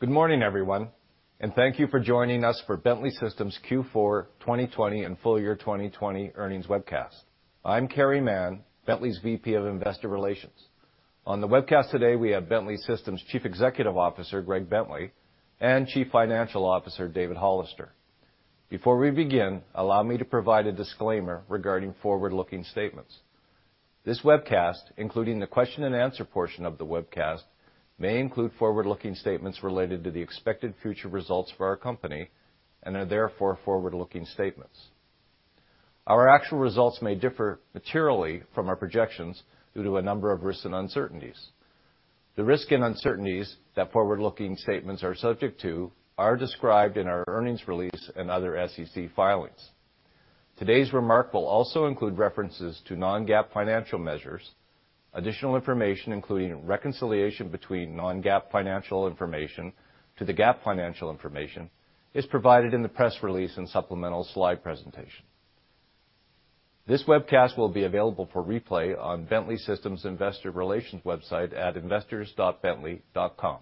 Good morning, everyone, and thank you for joining us for Bentley Systems Q4 2020 and full year 2020 earnings webcast. I'm Carey Mann, Bentley's VP of investor relations. On the webcast today, we have Bentley Systems Chief Executive Officer, Greg Bentley, and Chief Financial Officer, David Hollister. Before we begin, allow me to provide a disclaimer regarding forward-looking statements. This webcast, including the question and answer portion of the webcast, may include forward-looking statements related to the expected future results for our company and are therefore forward-looking statements. Our actual results may differ materially from our projections due to a number of risks and uncertainties. The risks and uncertainties that forward-looking statements are subject to are described in our earnings release and other SEC filings. Today's remarks will also include references to non-GAAP financial measures. Additional information, including a reconciliation between non-GAAP financial information to the GAAP financial information, is provided in the press release and supplemental slide presentation. This webcast will be available for replay on Bentley Systems' investor relations website at investors.bentley.com.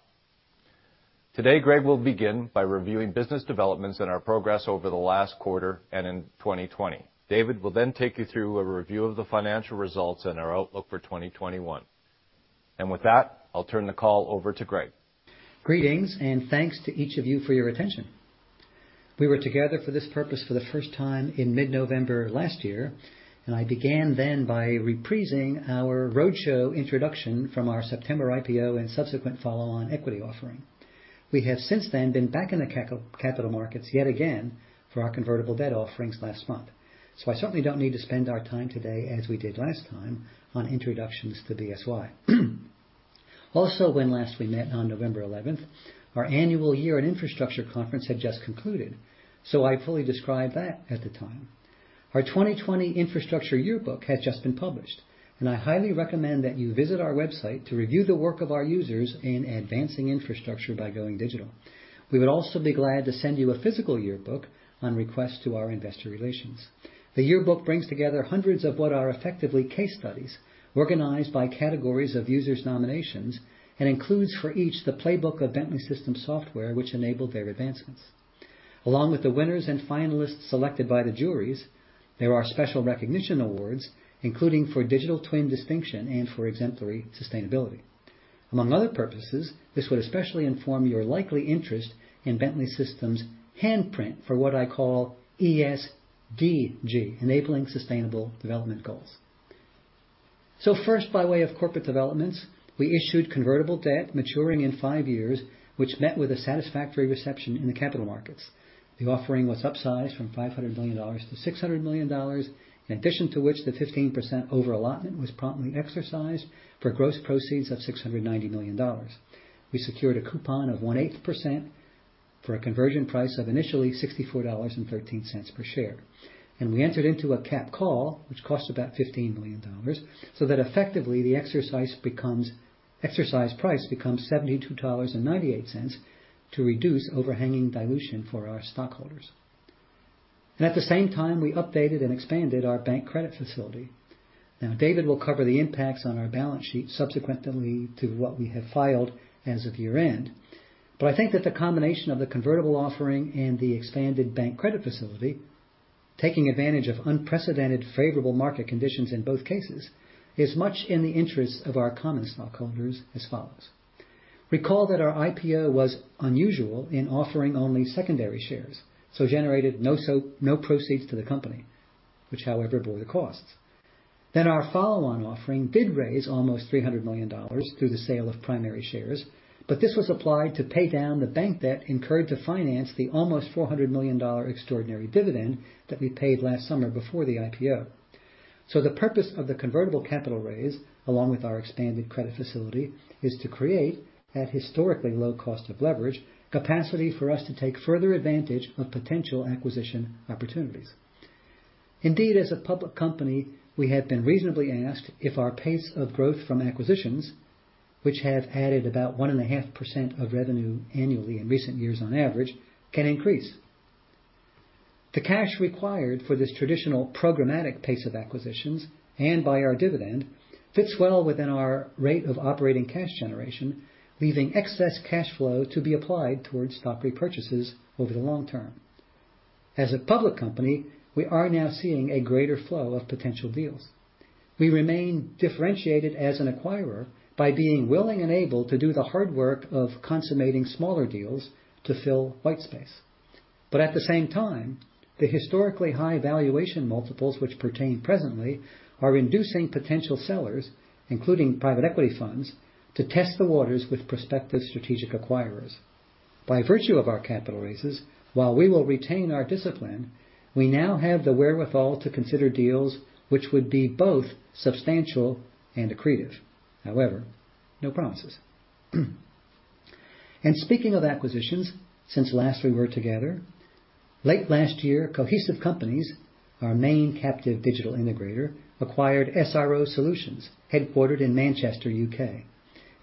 Today, Greg will begin by reviewing business developments and our progress over the last quarter and in 2020. David will then take you through a review of the financial results and our outlook for 2021. With that, I'll turn the call over to Greg. Greetings, and thanks to each of you for your attention. We were together for this purpose for the first time in mid-November last year, and I began then by reprising our roadshow introduction from our September IPO and subsequent follow-on equity offering. We have since then been back in the capital markets yet again for our convertible debt offerings last month. I certainly don't need to spend our time today as we did last time on introductions to BSY. Also, when last we met on November 11th, our annual Year in Infrastructure Conference had just concluded, so I fully described that at the time. Our 2020 Infrastructure Yearbook had just been published, and I highly recommend that you visit our website to review the work of our users in advancing infrastructure by going digital. We would also be glad to send you a physical yearbook on request to our investor relations. The yearbook brings together hundreds of what are effectively case studies organized by categories of users' nominations and includes for each the playbook of Bentley Systems software, which enabled their advancements. Along with the winners and finalists selected by the juries, there are special recognition awards, including for Digital Twin Distinction and for Exemplary Sustainability. Among other purposes, this would especially inform your likely interest in Bentley Systems' handprint for what I call ESDG, enabling sustainable development goals. First, by way of corporate developments, we issued convertible debt maturing in five years, which met with a satisfactory reception in the capital markets. The offering was upsized from $500 million to $600 million, in addition to which the 15% over-allotment was promptly exercised for gross proceeds of $690 million. We secured a coupon of 1/8% for a conversion price of initially $64.13 per share. We entered into a capped call, which cost about $15 million, so that effectively the exercise price becomes $72.98 to reduce overhanging dilution for our stockholders. At the same time, we updated and expanded our bank credit facility. Now, David will cover the impacts on our balance sheet subsequently to what we have filed as of year-end. I think that the combination of the convertible offering and the expanded bank credit facility, taking advantage of unprecedented favorable market conditions in both cases, is much in the interest of our common stockholders as follows. Recall that our IPO was unusual in offering only secondary shares, so generated no proceeds to the company, which, however, bore the costs. Our follow-on offering did raise almost $300 million through the sale of primary shares, but this was applied to pay down the bank debt incurred to finance the almost $400 million extraordinary dividend that we paid last summer before the IPO. The purpose of the convertible capital raise, along with our expanded credit facility, is to create, at historically low cost of leverage, capacity for us to take further advantage of potential acquisition opportunities. As a public company, we have been reasonably asked if our pace of growth from acquisitions, which have added about 1.5% of revenue annually in recent years on average, can increase. The cash required for this traditional programmatic pace of acquisitions and by our dividend fits well within our rate of operating cash generation, leaving excess cash flow to be applied towards stock repurchases over the long term. As a public company, we are now seeing a greater flow of potential deals. We remain differentiated as an acquirer by being willing and able to do the hard work of consummating smaller deals to fill white space. At the same time, the historically high valuation multiples which pertain presently are inducing potential sellers, including private equity funds, to test the waters with prospective strategic acquirers. By virtue of our capital raises, while we will retain our discipline, we now have the wherewithal to consider deals which would be both substantial and accretive. However, no promises. Speaking of acquisitions, since last we were together, late last year, The Cohesive Companies, our main captive digital integrator, acquired SRO Solutions, headquartered in Manchester, U.K.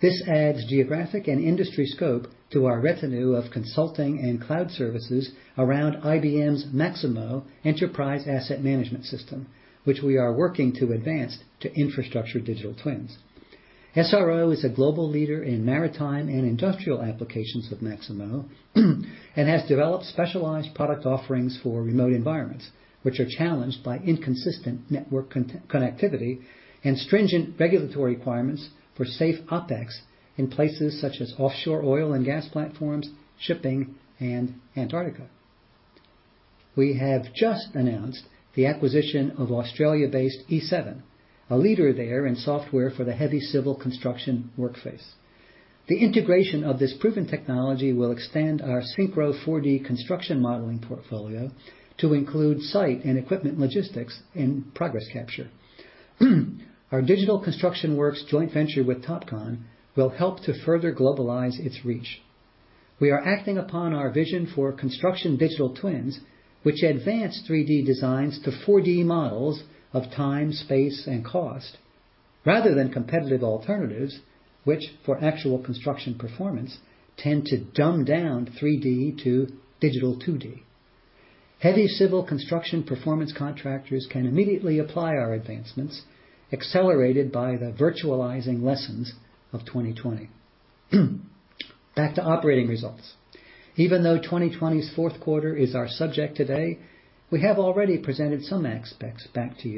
This adds geographic and industry scope to our retinue of consulting and cloud services around IBM's Maximo Enterprise Asset Management system, which we are working to advance to infrastructure digital twins. SRO is a global leader in maritime and industrial applications with Maximo and has developed specialized product offerings for remote environments, which are challenged by inconsistent network connectivity and stringent regulatory requirements for safe OpEx in places such as offshore oil and gas platforms, shipping, and Antarctica. We have just announced the acquisition of Australia-based E7, a leader there in software for the heavy civil construction workplace. The integration of this proven technology will expand our SYNCHRO 4D construction modeling portfolio to include site and equipment logistics and progress capture. Our Digital Construction Works joint venture with Topcon will help to further globalize its reach. We are acting upon our vision for construction digital twins, which advance 3D designs to 4D models of time, space, and cost, rather than competitive alternatives, which, for actual construction performance, tend to dumb down 3D to digital 2D. Heavy civil construction performance contractors can immediately apply our advancements accelerated by the virtualizing lessons of 2020. Back to operating results. Even though 2020's fourth quarter is our subject today, we have already presented some aspects to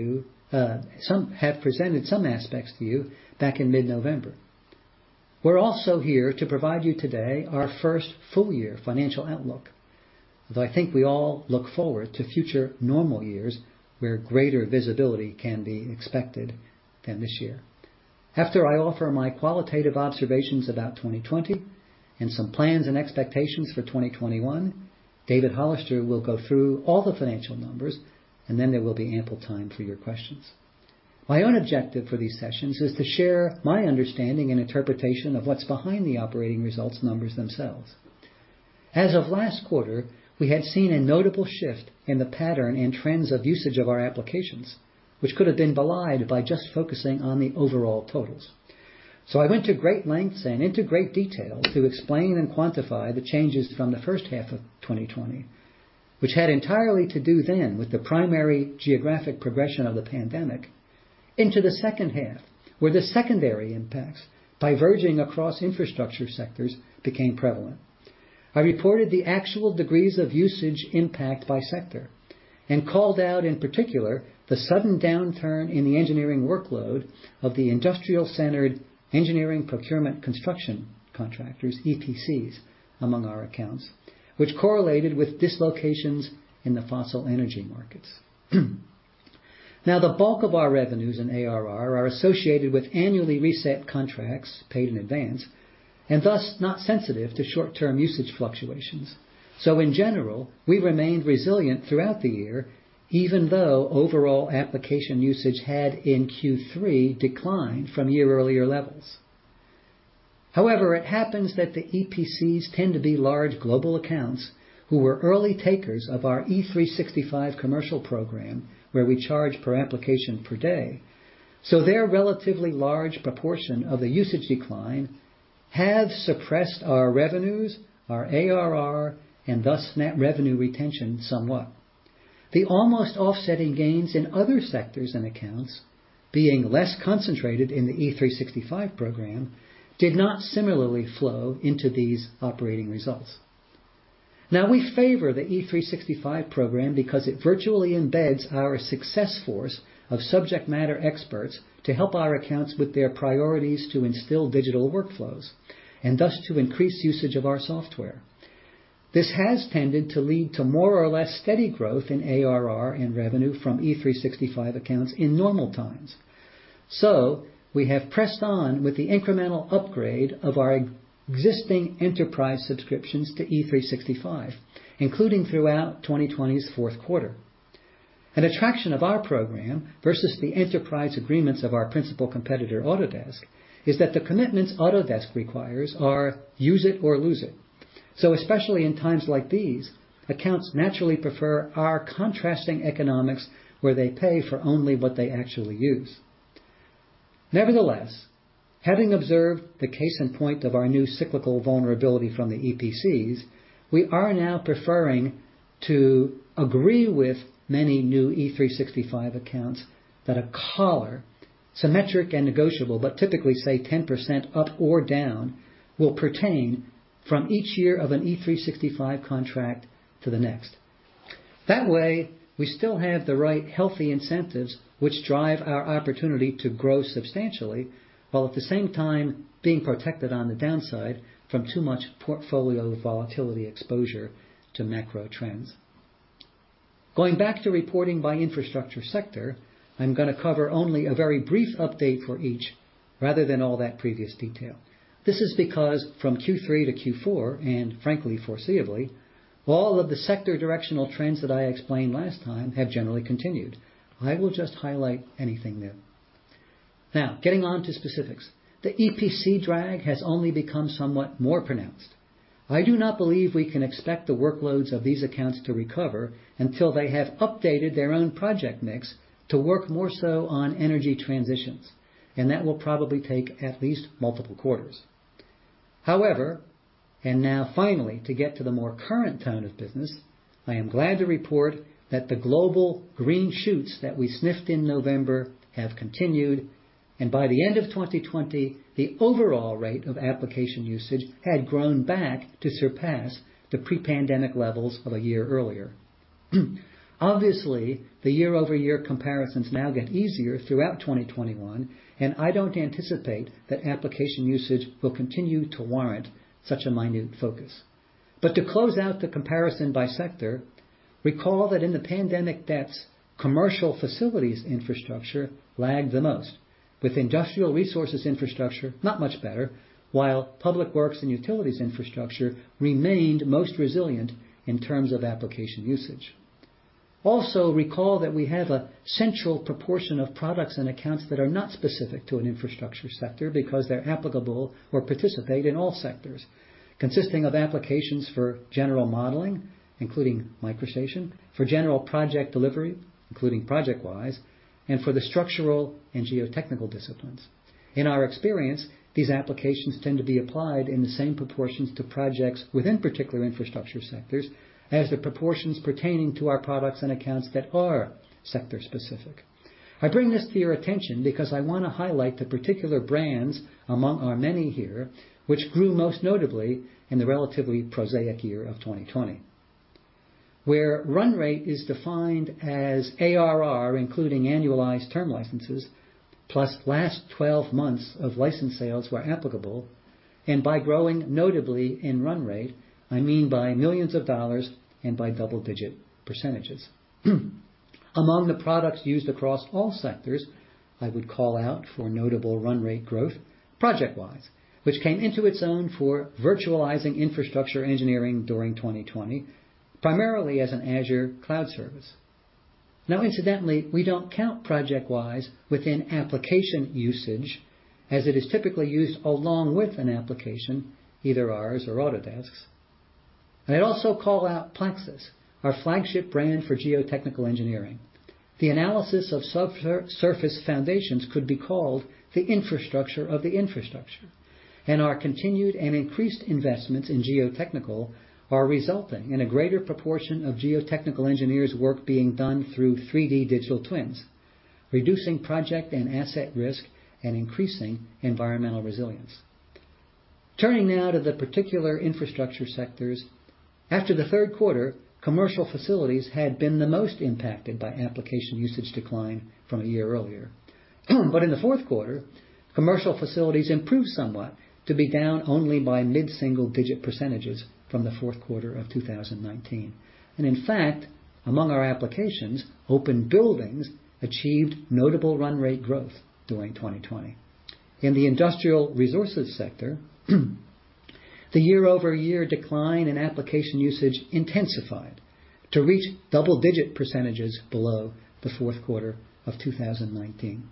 you back in mid-November. We are also here to provide you today our first full-year financial outlook, though I think we all look forward to future normal years where greater visibility can be expected than this year. After I offer my qualitative observations about 2020 and some plans and expectations for 2021, David Hollister will go through all the financial numbers, then there will be ample time for your questions. My own objective for these sessions is to share my understanding and interpretation of what's behind the operating results numbers themselves. As of last quarter, we had seen a notable shift in the pattern and trends of usage of our applications, which could have been belied by just focusing on the overall totals. I went to great lengths and into great detail to explain and quantify the changes from the first half of 2020, which had entirely to do then with the primary geographic progression of the pandemic into the second half, where the secondary impacts, diverging across infrastructure sectors, became prevalent. I reported the actual degrees of usage impact by sector and called out, in particular, the sudden downturn in the engineering workload of the industrial-centered engineering procurement construction contractors, EPCs, among our accounts, which correlated with dislocations in the fossil energy markets. The bulk of our revenues and ARR are associated with annually reset contracts paid in advance and thus not sensitive to short-term usage fluctuations. In general, we remained resilient throughout the year, even though overall application usage had in Q3 declined from year-earlier levels. It happens that the EPCs tend to be large global accounts who were early takers of our E365 commercial program, where we charge per application per day. Their relatively large proportion of the usage decline have suppressed our revenues, our ARR, and thus net revenue retention somewhat. The almost offsetting gains in other sectors and accounts, being less concentrated in the E365 program, did not similarly flow into these operating results. We favor the E365 program because it virtually embeds our success force of subject matter experts to help our accounts with their priorities to instill digital workflows and thus to increase usage of our software. This has tended to lead to more or less steady growth in ARR and revenue from E365 accounts in normal times. We have pressed on with the incremental upgrade of our existing enterprise subscriptions to E365, including throughout 2020's fourth quarter. An attraction of our program versus the enterprise agreements of our principal competitor, Autodesk, is that the commitments Autodesk requires are use it or lose it. Especially in times like these, accounts naturally prefer our contrasting economics where they pay for only what they actually use. Having observed the case in point of our new cyclical vulnerability from the EPCs, we are now preferring to agree with many new E365 accounts that a collar, symmetric and negotiable, but typically, say, 10% up or down, will pertain from each year of an E365 contract to the next. We still have the right healthy incentives which drive our opportunity to grow substantially, while at the same time being protected on the downside from too much portfolio volatility exposure to macro trends. Going back to reporting by infrastructure sector, I'm going to cover only a very brief update for each rather than all that previous detail. This is because from Q3 to Q4, and frankly foreseeably, all of the sector directional trends that I explained last time have generally continued. I will just highlight anything new. Getting on to specifics. The EPC drag has only become somewhat more pronounced. I do not believe we can expect the workloads of these accounts to recover until they have updated their own project mix to work more so on energy transitions. That will probably take at least multiple quarters. However, finally, to get to the more current tone of business, I am glad to report that the global green shoots that we sniffed in November have continued. By the end of 2020, the overall rate of application usage had grown back to surpass the pre-pandemic levels of a year earlier. Obviously, the year-over-year comparisons now get easier throughout 2021. I don't anticipate that application usage will continue to warrant such a minute focus. To close out the comparison by sector, recall that in the pandemic depths, commercial facilities infrastructure lagged the most, with industrial resources infrastructure not much better, while public works and utilities infrastructure remained most resilient in terms of application usage. Also, recall that we have a central proportion of products and accounts that are not specific to an infrastructure sector because they're applicable or participate in all sectors, consisting of applications for general modeling, including MicroStation, for general project delivery, including ProjectWise, and for the structural and geotechnical disciplines. In our experience, these applications tend to be applied in the same proportions to projects within particular infrastructure sectors as the proportions pertaining to our products and accounts that are sector-specific. I bring this to your attention because I want to highlight the particular brands among our many here, which grew most notably in the relatively prosaic year of 2020. Where run rate is defined as ARR, including annualized term licenses, plus last 12 months of license sales where applicable. By growing notably in run rate, I mean by millions of dollars and by double-digit percentages. Among the products used across all sectors, I would call out for notable run rate growth ProjectWise, which came into its own for virtualizing infrastructure engineering during 2020, primarily as an Azure cloud service. Incidentally, we don't count ProjectWise within application usage as it is typically used along with an application, either ours or Autodesk's. I would also call out PLAXIS, our flagship brand for geotechnical engineering. The analysis of subsurface foundations could be called the infrastructure of the infrastructure, and our continued and increased investments in geotechnical are resulting in a greater proportion of geotechnical engineers' work being done through 3D digital twins, reducing project and asset risk and increasing environmental resilience. Turning now to the particular infrastructure sectors, after the third quarter, commercial facilities had been the most impacted by application usage decline from a year earlier. In the fourth quarter, commercial facilities improved somewhat to be down only by mid-single digit percentages from the fourth quarter of 2019. In fact, among our applications, OpenBuildings achieved notable run rate growth during 2020. In the industrial resources sector, the year-over-year decline in application usage intensified to reach double-digit percentages below the fourth quarter of 2019.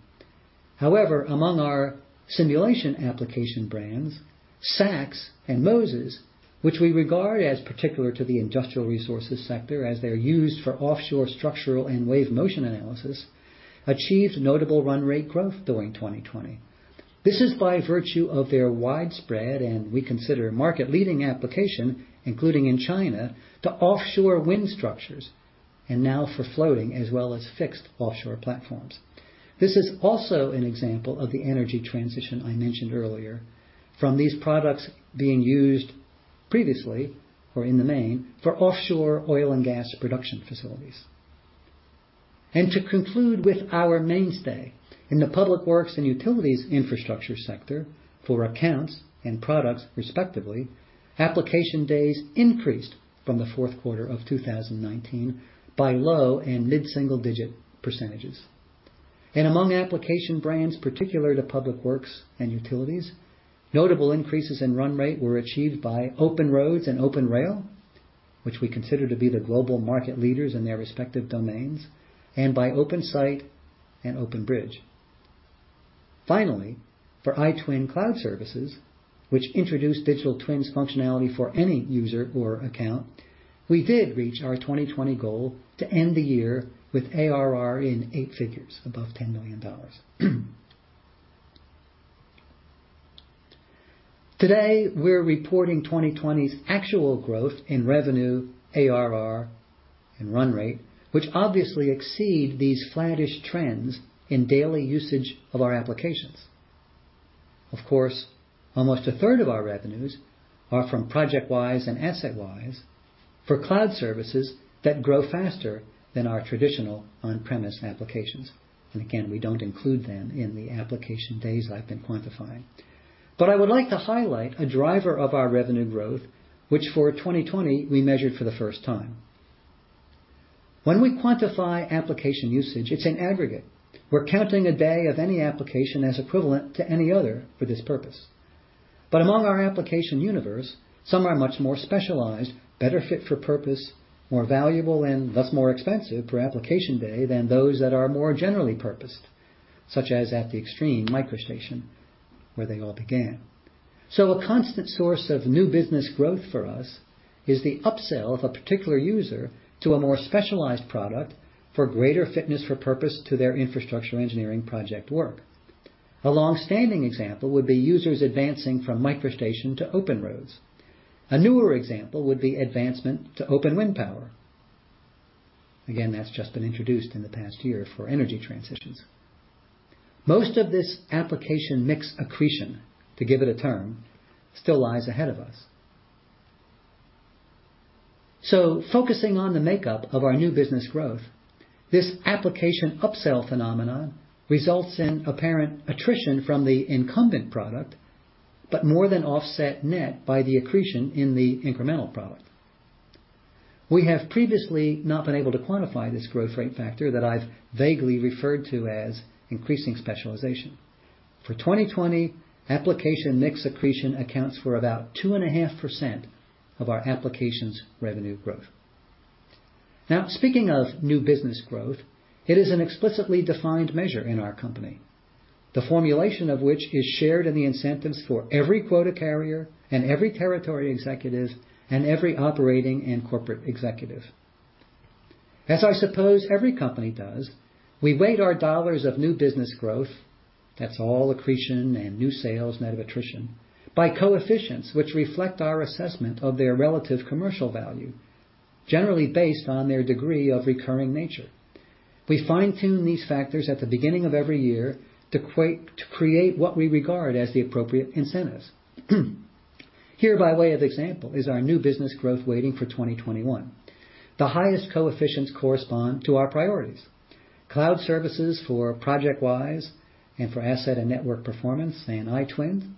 However, among our simulation application brands, SACS and MOSES, which we regard as particular to the industrial resources sector as they're used for offshore structural and wave motion analysis, achieved notable run rate growth during 2020. This is by virtue of their widespread, and we consider, market-leading application, including in China, to offshore wind structures and now for floating as well as fixed offshore platforms. This is also an example of the energy transition I mentioned earlier from these products being used previously or in the main for offshore oil and gas production facilities. To conclude with our mainstay. In the public works and utilities infrastructure sector for accounts and products, respectively, application days increased from the fourth quarter of 2019 by low and mid-single digit percentages. Among application brands particular to public works and utilities, notable increases in run rate were achieved by OpenRoads and OpenRail, which we consider to be the global market leaders in their respective domains, and by OpenSite and OpenBridge. Finally, for iTwin cloud services, which introduced digital twins functionality for any user or account, we did reach our 2020 goal to end the year with ARR in 8 figures above $10 million. Today, we're reporting 2020's actual growth in revenue, ARR, and run rate, which obviously exceed these flattish trends in daily usage of our applications. Of course, almost a third of our revenues are from ProjectWise and AssetWise for cloud services that grow faster than our traditional on-premise applications. Again, we don't include them in the application days I've been quantifying. I would like to highlight a driver of our revenue growth, which for 2020, we measured for the first time. When we quantify application usage, it's an aggregate. We're counting a day of any application as equivalent to any other for this purpose. Among our application universe, some are much more specialized, better fit for purpose, more valuable, and thus more expensive per application day than those that are more generally purposed. Such as at the extreme, MicroStation, where they all began. A constant source of new business growth for us is the upsell of a particular user to a more specialized product for greater fitness for purpose to their infrastructure engineering project work. A longstanding example would be users advancing from MicroStation to OpenRoads. A newer example would be advancement to OpenWindPower. Again, that's just been introduced in the past year for energy transitions. Most of this application mix accretion, to give it a term, still lies ahead of us. Focusing on the makeup of our new business growth, this application upsell phenomenon results in apparent attrition from the incumbent product, but more than offset net by the accretion in the incremental product. We have previously not been able to quantify this growth rate factor that I've vaguely referred to as increasing specialization. For 2020, application mix accretion accounts for about 2.5% of our applications revenue growth. Now, speaking of new business growth, it is an explicitly defined measure in our company, the formulation of which is shared in the incentives for every quota carrier and every territory executive, and every operating and corporate executive. As I suppose every company does, we weight our dollars of new business growth, that's all accretion and new sales net of attrition, by coefficients which reflect our assessment of their relative commercial value, generally based on their degree of recurring nature. We fine-tune these factors at the beginning of every year to create what we regard as the appropriate incentives. Here, by way of example, is our new business growth weighting for 2021. The highest coefficients correspond to our priorities. Cloud services for ProjectWise and for AssetWise, iTwin,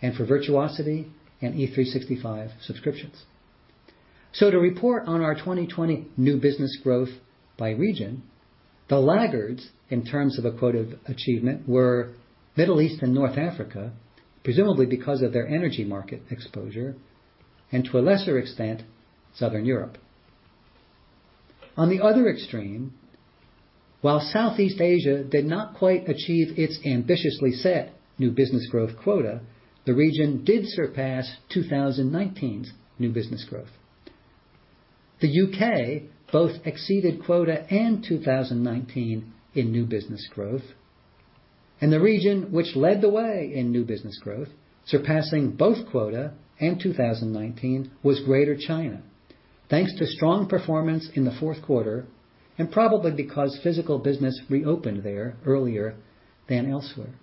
and for Virtuosity and E365 subscriptions. To report on our 2020 new business growth by region, the laggards in terms of a quota achievement were Middle East and North Africa, presumably because of their energy market exposure, and to a lesser extent, Southern Europe. On the other extreme, while Southeast Asia did not quite achieve its ambitiously set new business growth quota, the region did surpass 2019's new business growth. The U.K. both exceeded quota and 2019 in new business growth. The region which led the way in new business growth, surpassing both quota and 2019, was Greater China, thanks to strong performance in the fourth quarter and probably because physical business reopened there earlier than elsewhere.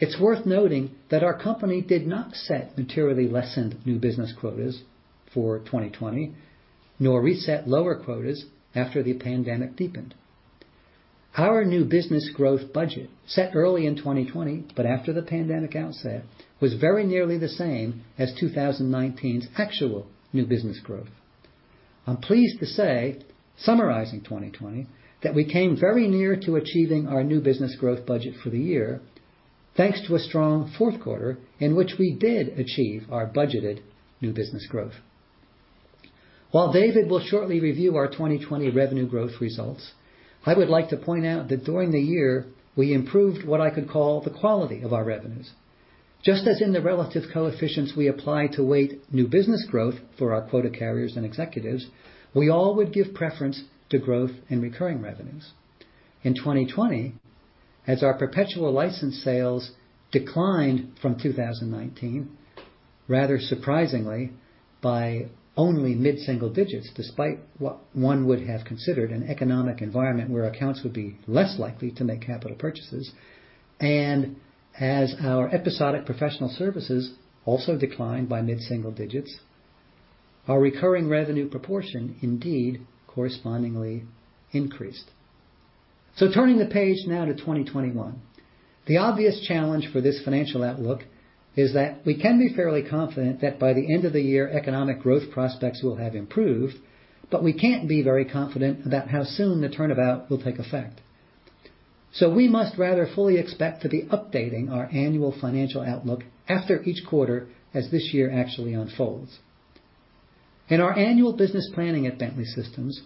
It's worth noting that our company did not set materially lessened new business quotas for 2020, nor reset lower quotas after the pandemic deepened. Our new business growth budget, set early in 2020 but after the pandemic outset, was very nearly the same as 2019's actual new business growth. I'm pleased to say, summarizing 2020, that we came very near to achieving our new business growth budget for the year, thanks to a strong fourth quarter in which we did achieve our budgeted new business growth. While David will shortly review our 2020 revenue growth results, I would like to point out that during the year, we improved what I could call the quality of our revenues. Just as in the relative coefficients we apply to weight new business growth for our quota carriers and executives, we all would give preference to growth in recurring revenues. In 2020, as our perpetual license sales declined from 2019, rather surprisingly by only mid-single digits, despite what one would have considered an economic environment where accounts would be less likely to make capital purchases. As our episodic professional services also declined by mid-single digits, our recurring revenue proportion indeed correspondingly increased. Turning the page now to 2021. The obvious challenge for this financial outlook is that we can be fairly confident that by the end of the year, economic growth prospects will have improved, but we can't be very confident about how soon the turnabout will take effect. We must rather fully expect to be updating our annual financial outlook after each quarter as this year actually unfolds. In our annual business planning at Bentley Systems,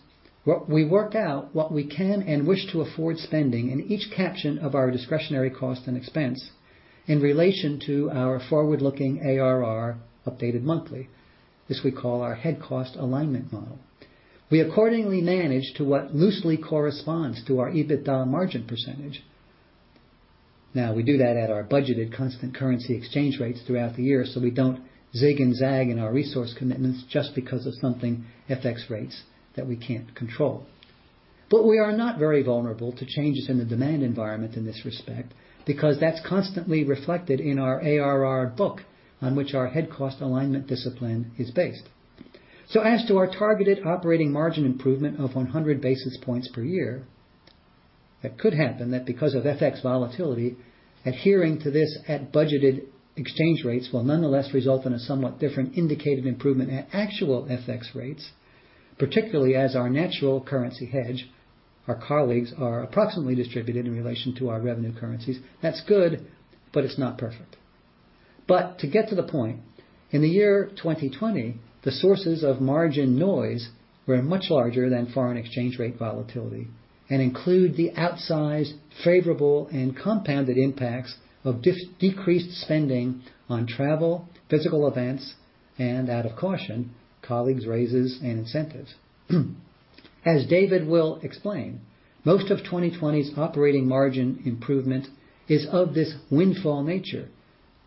we work out what we can and wish to afford spending in each caption of our discretionary cost and expense in relation to our forward-looking ARR updated monthly. This we call our head cost alignment model. We accordingly manage to what loosely corresponds to our EBITDA margin percentage. We do that at our budgeted constant currency exchange rates throughout the year, so we don't zig and zag in our resource commitments just because of something FX rates that we can't control. We are not very vulnerable to changes in the demand environment in this respect because that's constantly reflected in our ARR book on which our head cost alignment discipline is based. As to our targeted operating margin improvement of 100 basis points per year, it could happen that because of FX volatility, adhering to this at budgeted exchange rates will nonetheless result in a somewhat different indicated improvement at actual FX rates, particularly as our natural currency hedge, our colleagues are approximately distributed in relation to our revenue currencies. That's good, but it's not perfect. To get to the point, in the year 2020, the sources of margin noise were much larger than foreign exchange rate volatility and include the outsized favorable and compounded impacts of decreased spending on travel, physical events, and out of caution, colleagues raises and incentives. As David will explain, most of 2020's operating margin improvement is of this windfall nature,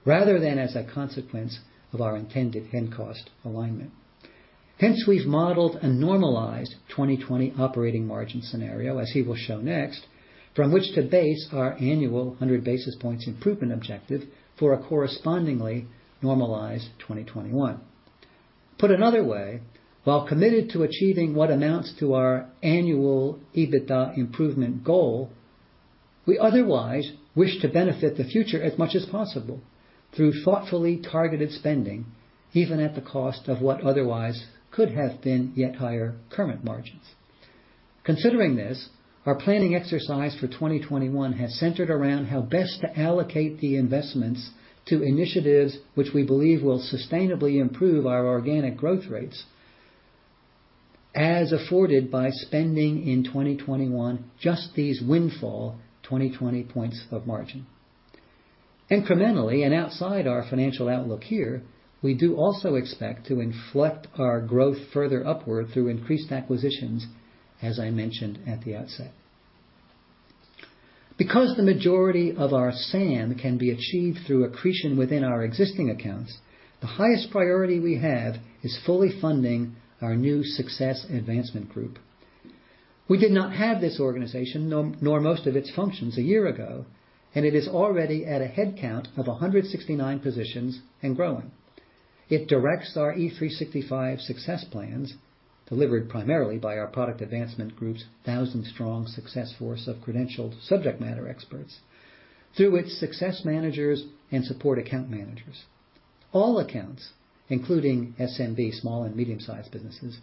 rather than as a consequence of our intended head cost alignment. Hence, we've modeled a normalized 2020 operating margin scenario, as he will show next, from which to base our annual 100 basis points improvement objective for a correspondingly normalized 2021. Put another way, while committed to achieving what amounts to our annual EBITDA improvement goal, we otherwise wish to benefit the future as much as possible through thoughtfully targeted spending, even at the cost of what otherwise could have been yet higher current margins. Considering this, our planning exercise for 2021 has centered around how best to allocate the investments to initiatives which we believe will sustainably improve our organic growth rates as afforded by spending in 2021, just these windfall 2020 points of margin. Incrementally, and outside our financial outlook here, we do also expect to inflect our growth further upward through increased acquisitions, as I mentioned at the outset. Because the majority of our SAM can be achieved through accretion within our existing accounts, the highest priority we have is fully funding our new Success Advancement group. We did not have this organization, nor most of its functions a year ago, and it is already at a headcount of 169 positions and growing. It directs our E365 success plans, delivered primarily by our product advancement group's 1,000-strong success force of credentialed subject matter experts, through its success managers and support account managers. All accounts, including SMB, small and medium-sized businesses,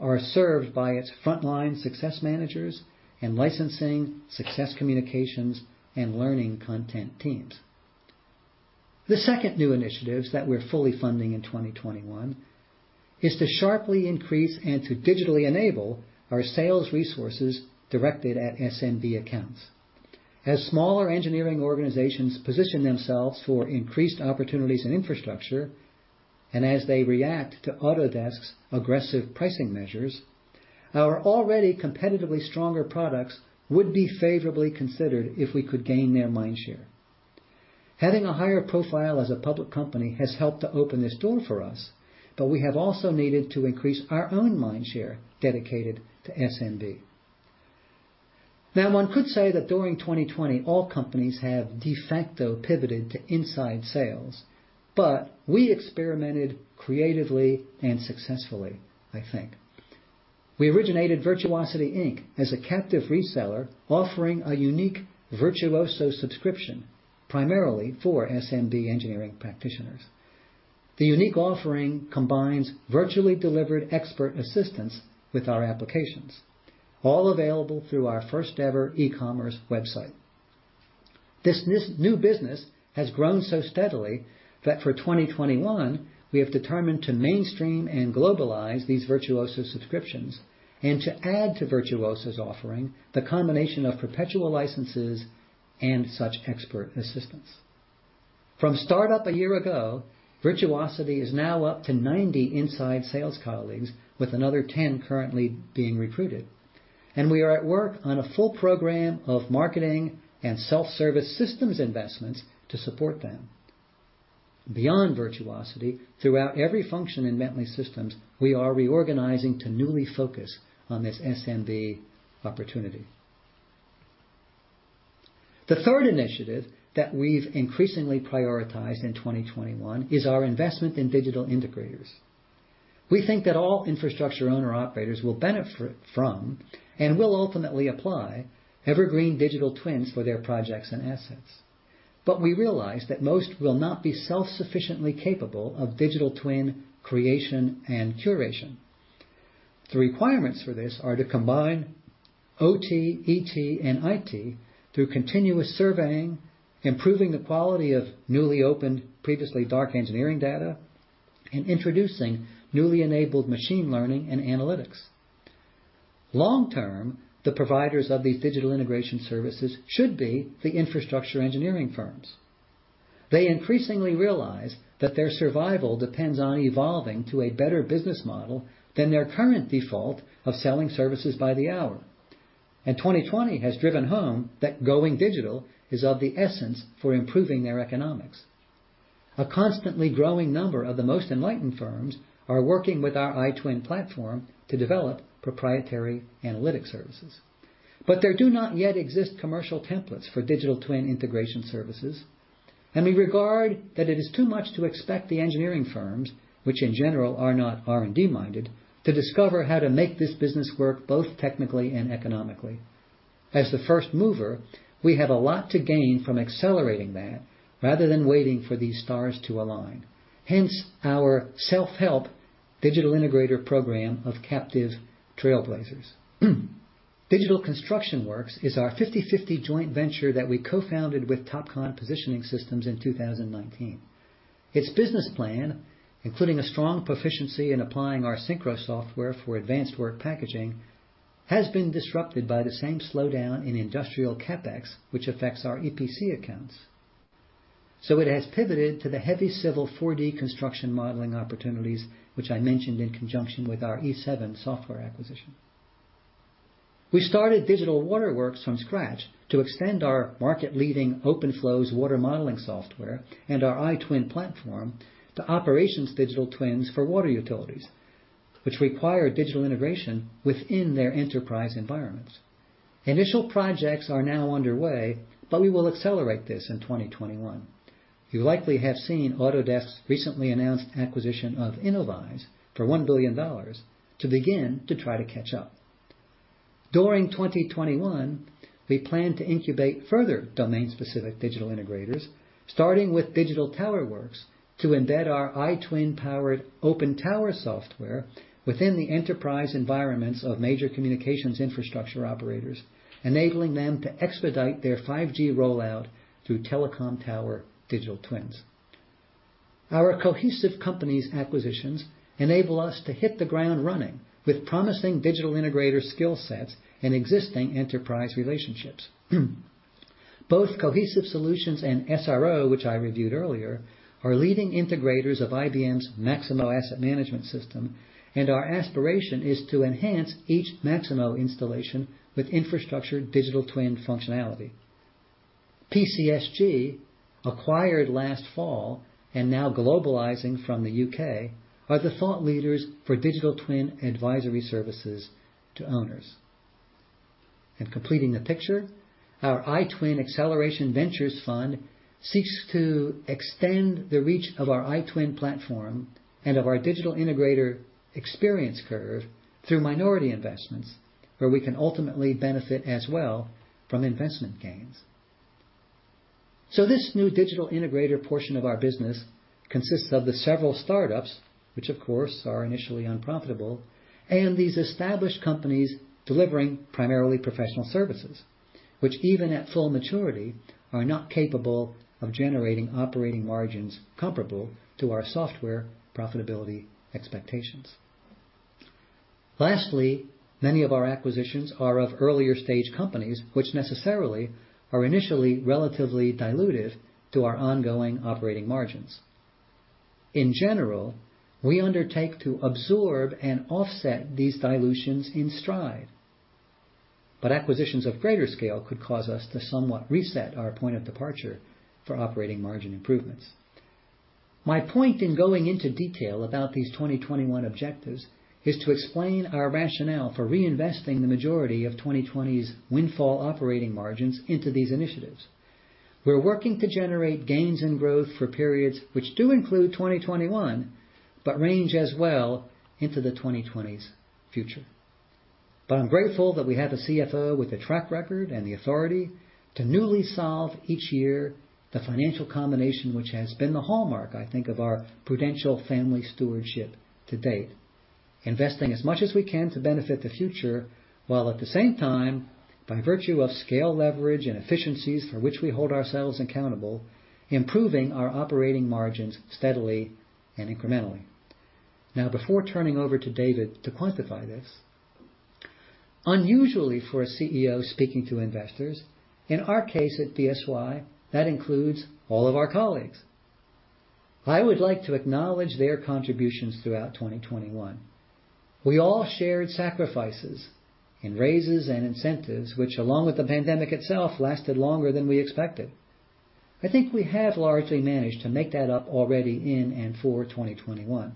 are served by its frontline success managers and licensing, success communications, and learning content teams. The second new initiatives that we're fully funding in 2021 is to sharply increase and to digitally enable our sales resources directed at SMB accounts. As smaller engineering organizations position themselves for increased opportunities in infrastructure, and as they react to Autodesk's aggressive pricing measures, our already competitively stronger products would be favorably considered if we could gain their mindshare. Having a higher profile as a public company has helped to open this door for us, but we have also needed to increase our own mindshare dedicated to SMB. One could say that during 2020, all companies have de facto pivoted to inside sales, but we experimented creatively and successfully, I think. We originated Virtuosity Inc. as a captive reseller offering a unique Virtuoso subscription primarily for SMB engineering practitioners. The unique offering combines virtually delivered expert assistance with our applications, all available through our first-ever e-commerce website. This new business has grown so steadily that for 2021, we have determined to mainstream and globalize these Virtuoso subscriptions and to add to Virtuoso's offering the combination of perpetual licenses and such expert assistance. From startup a year ago, Virtuosity is now up to 90 inside sales colleagues, with another 10 currently being recruited. We are at work on a full program of marketing and self-service systems investments to support them. Beyond Virtuosity, throughout every function in Bentley Systems, we are reorganizing to newly focus on this SMB opportunity. The third initiative that we've increasingly prioritized in 2021 is our investment in digital integrators. We think that all infrastructure owner operators will benefit from, and will ultimately apply, evergreen digital twins for their projects and assets. We realize that most will not be self-sufficiently capable of digital twin creation and curation. The requirements for this are to combine OT, ET, and IT through continuous surveying, improving the quality of newly opened previously dark engineering data, and introducing newly enabled machine learning and analytics. Long-term, the providers of these digital integration services should be the infrastructure engineering firms. They increasingly realize that their survival depends on evolving to a better business model than their current default of selling services by the hour. 2020 has driven home that going digital is of the essence for improving their economics. A constantly growing number of the most enlightened firms are working with our iTwin platform to develop proprietary analytic services. There do not yet exist commercial templates for digital twin integration services. We regard that it is too much to expect the engineering firms, which in general are not R&D-minded, to discover how to make this business work both technically and economically. As the first mover, we have a lot to gain from accelerating that rather than waiting for these stars to align. Hence our self-help digital integrator program of captive trailblazers. Digital Construction Works is our 50/50 joint venture that we co-founded with Topcon Positioning Systems in 2019. Its business plan, including a strong proficiency in applying our SYNCHRO software for advanced work packaging, has been disrupted by the same slowdown in industrial CapEx, which affects our EPC accounts. It has pivoted to the heavy civil 4D construction modeling opportunities, which I mentioned in conjunction with our E7 software acquisition. We started Digital Water Works from scratch to extend our market-leading OpenFlows water modeling software and our iTwin platform to operations digital twins for water utilities, which require digital integration within their enterprise environments. Initial projects are now underway, we will accelerate this in 2021. You likely have seen Autodesk's recently announced acquisition of Innovyze for $1 billion to begin to try to catch up. During 2021, we plan to incubate further domain-specific digital integrators, starting with Digital Tower Works to embed our iTwin-powered OpenTower software within the enterprise environments of major communications infrastructure operators, enabling them to expedite their 5G rollout through telecom tower digital twins. Our Cohesive Companies acquisitions enable us to hit the ground running with promising digital integrator skill sets and existing enterprise relationships. Both Cohesive Solutions and SRO, which I reviewed earlier, are leading integrators of IBM's Maximo asset management system, and our aspiration is to enhance each Maximo installation with infrastructure digital twin functionality. PCSG, acquired last fall and now globalizing from the U.K., are the thought leaders for digital twin advisory services to owners. Completing the picture, our iTwin Acceleration Ventures Fund seeks to extend the reach of our iTwin platform and of our digital integrator experience curve through minority investments, where we can ultimately benefit as well from investment gains. This new digital integrator portion of our business consists of the several startups, which of course are initially unprofitable, and these established companies delivering primarily professional services, which even at full maturity, are not capable of generating operating margins comparable to our software profitability expectations. Lastly, many of our acquisitions are of earlier-stage companies, which necessarily are initially relatively dilutive to our ongoing operating margins. Acquisitions of greater scale could cause us to somewhat reset our point of departure for operating margin improvements. My point in going into detail about these 2021 objectives is to explain our rationale for reinvesting the majority of 2020's windfall operating margins into these initiatives. We're working to generate gains and growth for periods which do include 2021 but range as well into the 2020s future. I'm grateful that we have a CFO with a track record and the authority to newly solve each year the financial combination, which has been the hallmark, I think, of our prudential family stewardship to date, investing as much as we can to benefit the future, while at the same time, by virtue of scale leverage and efficiencies for which we hold ourselves accountable, improving our operating margins steadily and incrementally. Before turning over to David to quantify this, unusually for a CEO speaking to investors, in our case at BSY, that includes all of our colleagues. I would like to acknowledge their contributions throughout 2021. We all shared sacrifices in raises and incentives, which, along with the pandemic itself, lasted longer than we expected. I think we have largely managed to make that up already in and for 2021.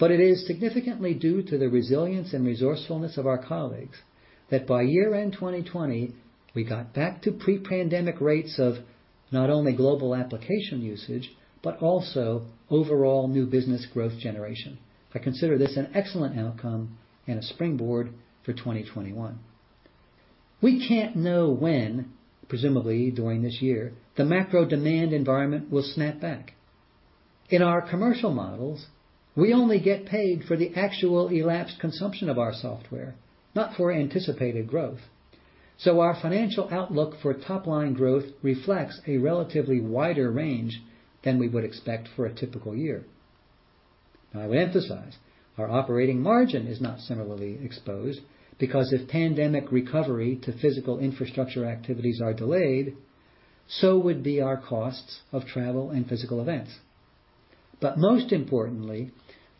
It is significantly due to the resilience and resourcefulness of our colleagues that by year-end 2020, we got back to pre-pandemic rates of not only global application usage but also overall new business growth generation. I consider this an excellent outcome and a springboard for 2021. We can't know when, presumably during this year, the macro demand environment will snap back. In our commercial models, we only get paid for the actual elapsed consumption of our software, not for anticipated growth. Our financial outlook for top-line growth reflects a relatively wider range than we would expect for a typical year. I would emphasize, our operating margin is not similarly exposed because if pandemic recovery to physical infrastructure activities are delayed, so would be our costs of travel and physical events. Most importantly,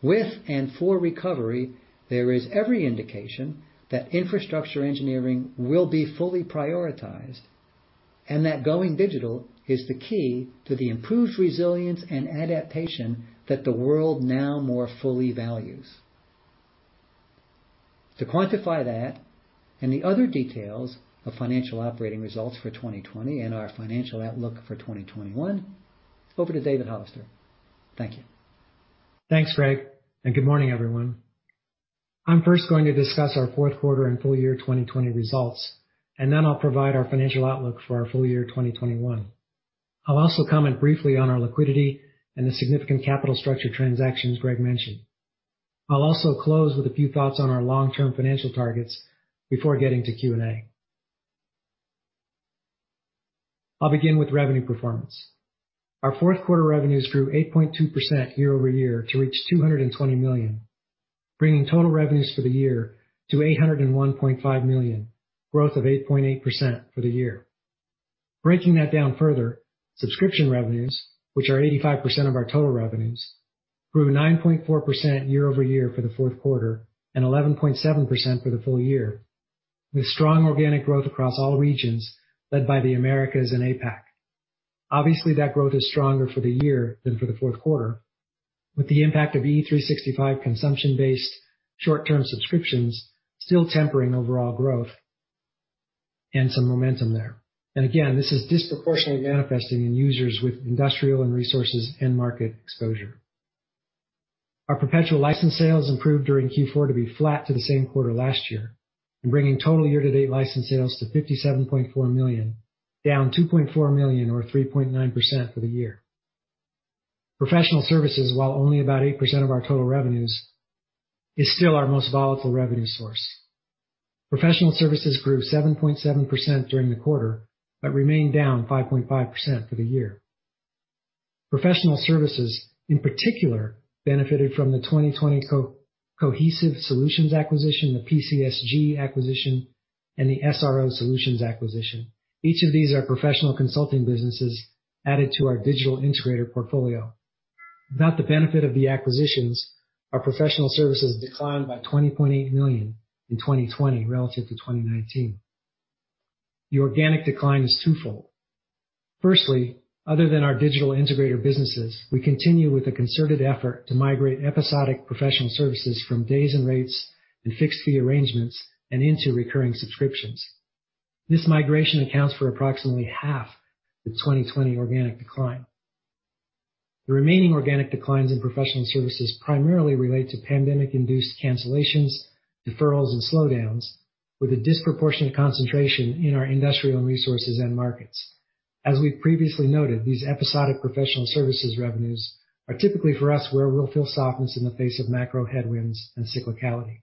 with and for recovery, there is every indication that infrastructure engineering will be fully prioritized and that going digital is the key to the improved resilience and adaptation that the world now more fully values. To quantify that and the other details of financial operating results for 2020 and our financial outlook for 2021, over to David Hollister. Thank you. Thanks, Greg. Good morning, everyone. I'm first going to discuss our fourth quarter and full year 2020 results, and then I'll provide our financial outlook for our full year 2021. I'll also comment briefly on our liquidity and the significant capital structure transactions Greg mentioned. I'll also close with a few thoughts on our long-term financial targets before getting to Q&A. I'll begin with revenue performance. Our fourth quarter revenues grew 8.2% year-over-year to reach $220 million, bringing total revenues for the year to $801.5 million, growth of 8.8% for the year. Breaking that down further, subscription revenues, which are 85% of our total revenues, grew 9.4% year-over-year for the fourth quarter and 11.7% for the full year, with strong organic growth across all regions led by the Americas and APAC. Obviously, that growth is stronger for the year than for the fourth quarter, with the impact of E365 consumption-based short-term subscriptions still tempering overall growth and some momentum there. Again, this is disproportionately manifesting in users with industrial and resources end-market exposure. Our perpetual license sales improved during Q4 to be flat to the same quarter last year and bringing total year-to-date license sales to $57.4 million, down $2.4 million or 3.9% for the year. Professional services, while only about 8% of our total revenues, is still our most volatile revenue source. Professional services grew 7.7% during the quarter but remained down 5.5% for the year. Professional services, in particular, benefited from the 2020 Cohesive Solutions acquisition, the PCSG acquisition, and the SRO Solutions acquisition. Each of these are professional consulting businesses added to our digital integrator portfolio. Without the benefit of the acquisitions, our professional services declined by $20.8 million in 2020 relative to 2019. The organic decline is twofold. Other than our digital integrator businesses, we continue with a concerted effort to migrate episodic professional services from days and rates and fixed-fee arrangements and into recurring subscriptions. This migration accounts for approximately half the 2020 organic decline. The remaining organic declines in professional services primarily relate to pandemic-induced cancellations, deferrals, and slowdowns with a disproportionate concentration in our industrial and resources end markets. As we've previously noted, these episodic professional services revenues are typically for us where we'll feel softness in the face of macro headwinds and cyclicality.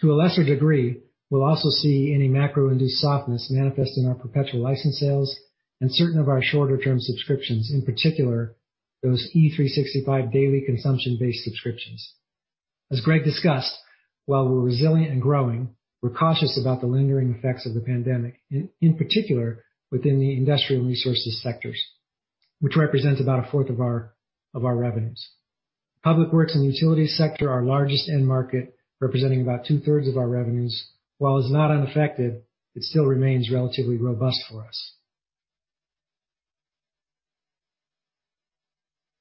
To a lesser degree, we'll also see any macro-induced softness manifest in our perpetual license sales and certain of our shorter-term subscriptions, in particular, those E365 daily consumption-based subscriptions. As Greg discussed, while we're resilient and growing, we're cautious about the lingering effects of the pandemic, in particular within the industrial resources sectors, which represents about 1/4 of our revenues. Public works and the utilities sector, our largest end market, representing about 2/3 of our revenues, while is not unaffected, it still remains relatively robust for us.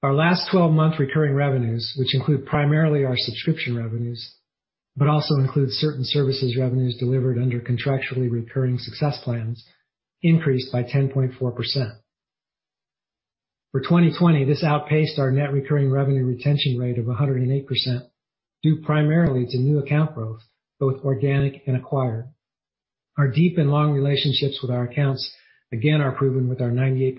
Our last 12-month recurring revenues, which include primarily our subscription revenues, but also includes certain services revenues delivered under contractually recurring success plans, increased by 10.4%. For 2020, this outpaced our net revenue retention rate of 108%, due primarily to new account growth, both organic and acquired. Our deep and long relationships with our accounts, again, are proven with our 98%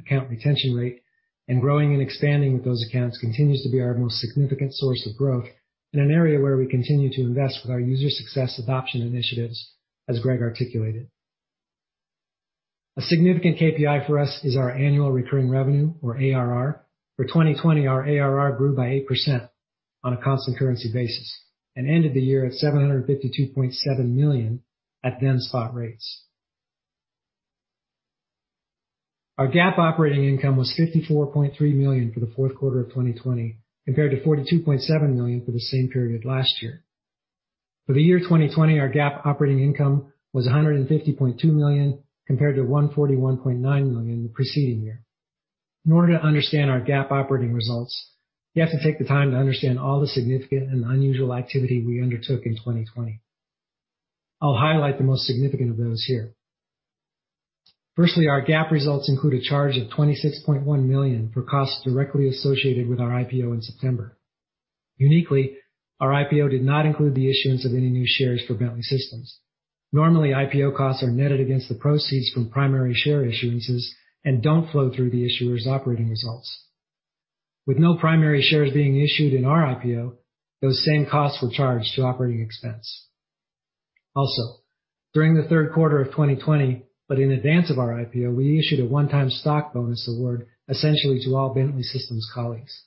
account retention rate and growing and expanding with those accounts continues to be our most significant source of growth in an area where we continue to invest with our user success adoption initiatives as Greg articulated. A significant KPI for us is our annual recurring revenue or ARR. For 2020, our ARR grew by 8% on a constant currency basis and ended the year at $752.7 million at then spot rates. Our GAAP operating income was $54.3 million for the fourth quarter of 2020, compared to $42.7 million for the same period last year. For the year 2020, our GAAP operating income was $150.2 million compared to $141.9 million the preceding year. In order to understand our GAAP operating results, you have to take the time to understand all the significant and unusual activity we undertook in 2020. I'll highlight the most significant of those here. Firstly, our GAAP results include a charge of $26.1 million for costs directly associated with our IPO in September. Uniquely, our IPO did not include the issuance of any new shares for Bentley Systems. Normally, IPO costs are netted against the proceeds from primary share issuances and don't flow through the issuer's operating results. With no primary shares being issued in our IPO, those same costs were charged to operating expense. Also, during the third quarter of 2020, but in advance of our IPO, we issued a one-time stock bonus award essentially to all Bentley Systems colleagues.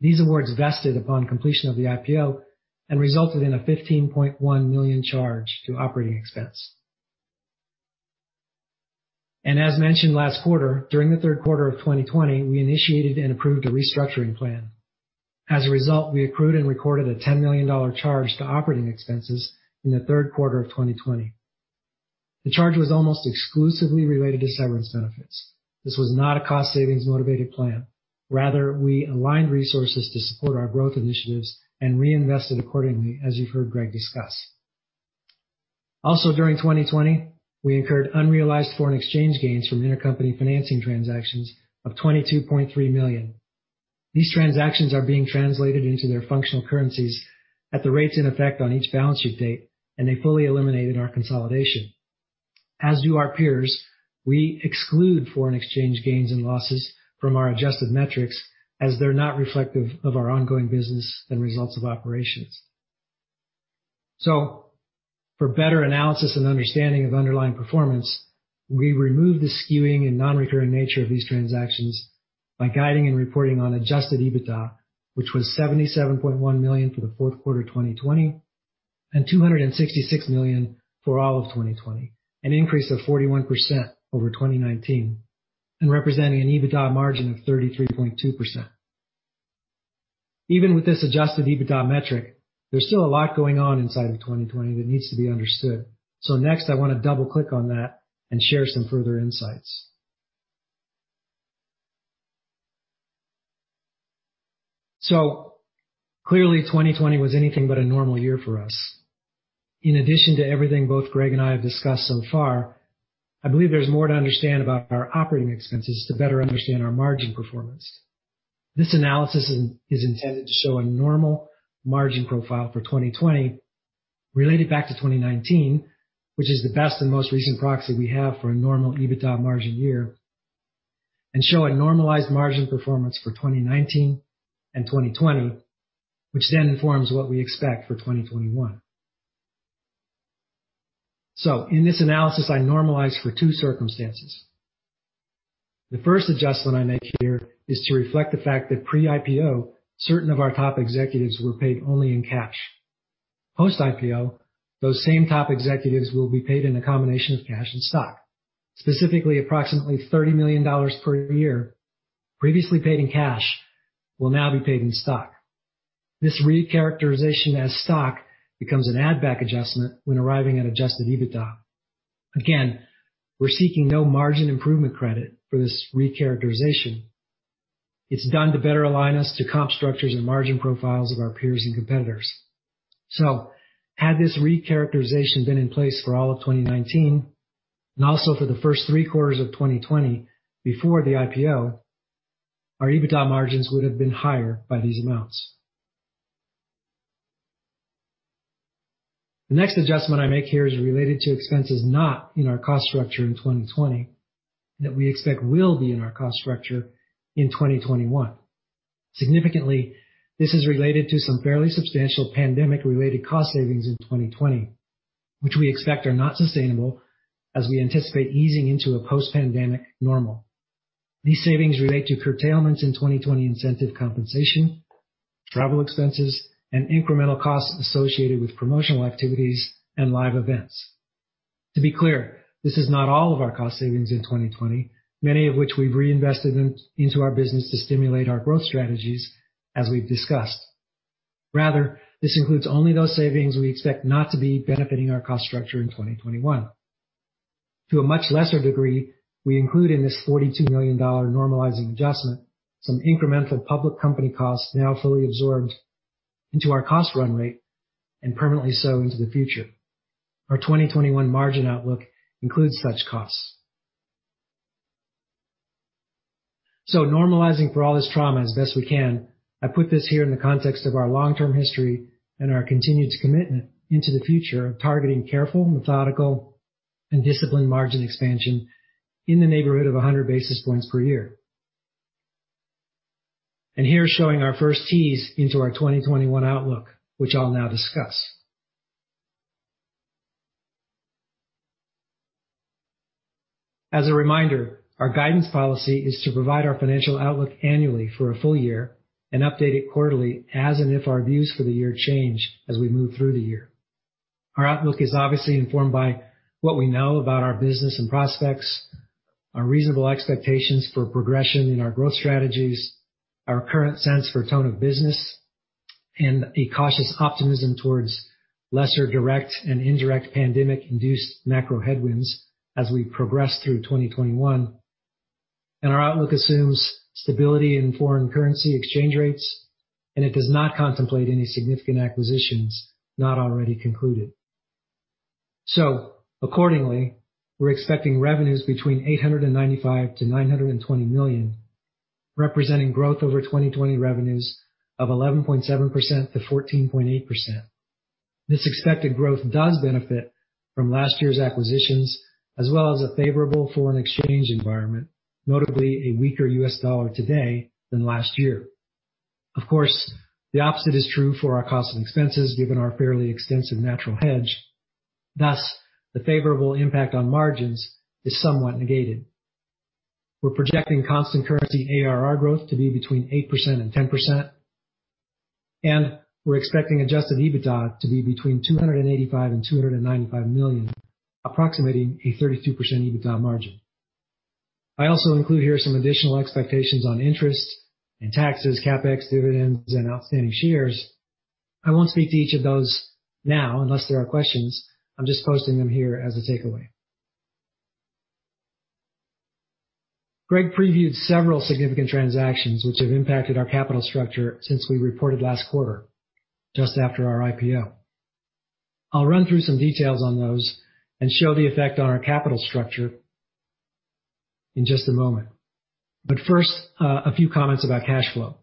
These awards vested upon completion of the IPO and resulted in a $15.1 million charge to operating expense. As mentioned last quarter, during the third quarter of 2020, we initiated and approved a restructuring plan. As a result, we accrued and recorded a $10 million charge to operating expenses in the third quarter of 2020. The charge was almost exclusively related to severance benefits. This was not a cost savings motivated plan. Rather, we aligned resources to support our growth initiatives and reinvested accordingly, as you've heard Greg discuss. During 2020, we incurred unrealized foreign exchange gains from intercompany financing transactions of $22.3 million. These transactions are being translated into their functional currencies at the rates in effect on each balance sheet date, and they fully eliminated our consolidation. As do our peers, we exclude foreign exchange gains and losses from our adjusted metrics as they're not reflective of our ongoing business and results of operations. For better analysis and understanding of underlying performance, we remove the skewing and non-recurring nature of these transactions by guiding and reporting on adjusted EBITDA, which was $77.1 million for the fourth quarter 2020, and $266 million for all of 2020, an increase of 41% over 2019, and representing an EBITDA margin of 33.2%. Even with this adjusted EBITDA metric, there's still a lot going on inside of 2020 that needs to be understood. Next, I want to double-click on that and share some further insights. Clearly, 2020 was anything but a normal year for us. In addition to everything both Greg and I have discussed so far, I believe there's more to understand about our operating expenses to better understand our margin performance. This analysis is intended to show a normal margin profile for 2020 related back to 2019, which is the best and most recent proxy we have for a normal EBITDA margin year, and show a normalized margin performance for 2019 and 2020, which then informs what we expect for 2021. In this analysis, I normalized for two circumstances. The first adjustment I make here is to reflect the fact that pre-IPO, certain of our top executives were paid only in cash. Post-IPO, those same top executives will be paid in a combination of cash and stock. Specifically, approximately $30 million per year previously paid in cash will now be paid in stock. This recharacterization as stock becomes an add-back adjustment when arriving at adjusted EBITDA. Again, we're seeking no margin improvement credit for this recharacterization. It's done to better align us to comp structures and margin profiles of our peers and competitors. Had this recharacterization been in place for all of 2019, and also for the first three quarters of 2020 before the IPO, our EBITDA margins would have been higher by these amounts. The next adjustment I make here is related to expenses not in our cost structure in 2020 that we expect will be in our cost structure in 2021. Significantly, this is related to some fairly substantial pandemic-related cost savings in 2020, which we expect are not sustainable as we anticipate easing into a post-pandemic normal. These savings relate to curtailments in 2020 incentive compensation, travel expenses, and incremental costs associated with promotional activities and live events. To be clear, this is not all of our cost savings in 2020, many of which we've reinvested into our business to stimulate our growth strategies, as we've discussed. Rather, this includes only those savings we expect not to be benefiting our cost structure in 2021. To a much lesser degree, we include in this $42 million normalizing adjustment some incremental public company costs now fully absorbed into our cost run rate and permanently so into the future. Our 2021 margin outlook includes such costs. Normalizing for all this trauma as best we can, I put this here in the context of our long-term history and our continued commitment into the future of targeting careful, methodical, and disciplined margin expansion in the neighborhood of 100 basis points per year. Here's showing our first tease into our 2021 outlook, which I'll now discuss. As a reminder, our guidance policy is to provide our financial outlook annually for a full year and update it quarterly as and if our views for the year change as we move through the year. Our outlook is obviously informed by what we know about our business and prospects, our reasonable expectations for progression in our growth strategies, our current sense for tone of business, and a cautious optimism towards lesser direct and indirect pandemic-induced macro headwinds as we progress through 2021. Our outlook assumes stability in foreign currency exchange rates, and it does not contemplate any significant acquisitions not already concluded. Accordingly, we're expecting revenues between $895 million-$920 million, representing growth over 2020 revenues of 11.7%-14.8%. This expected growth does benefit from last year's acquisitions as well as a favorable foreign exchange environment, notably a weaker U.S. dollar today than last year. Of course, the opposite is true for our cost and expenses, given our fairly extensive natural hedge. Thus, the favorable impact on margins is somewhat negated. We're projecting constant currency ARR growth to be between 8% and 10%, and we're expecting adjusted EBITDA to be between $285 million and $295 million, approximating a 32% EBITDA margin. I also include here some additional expectations on interest and taxes, CapEx, dividends, and outstanding shares. I won't speak to each of those now unless there are questions. I'm just posting them here as a takeaway. Greg previewed several significant transactions which have impacted our capital structure since we reported last quarter, just after our IPO. I'll run through some details on those and show the effect on our capital structure in just a moment. First, a few comments about cash flow.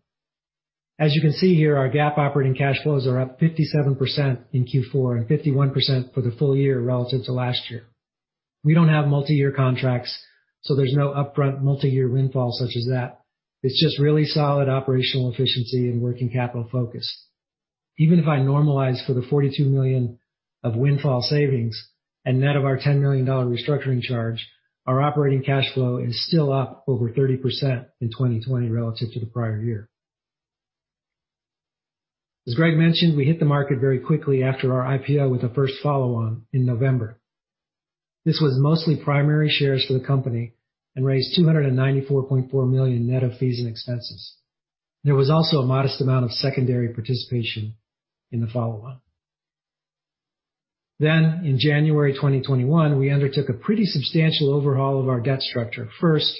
As you can see here, our GAAP operating cash flows are up 57% in Q4 and 51% for the full year relative to last year. We don't have multi-year contracts, there's no upfront multi-year windfall such as that. It's just really solid operational efficiency and working capital focus. Even if I normalize for the $42 million of windfall savings and net of our $10 million restructuring charge, our operating cash flow is still up over 30% in 2020 relative to the prior year. As Greg mentioned, we hit the market very quickly after our IPO with a first follow-on in November. This was mostly primary shares for the company and raised $294.4 million net of fees and expenses. There was also a modest amount of secondary participation in the follow-on. In January 2021, we undertook a pretty substantial overhaul of our debt structure. First,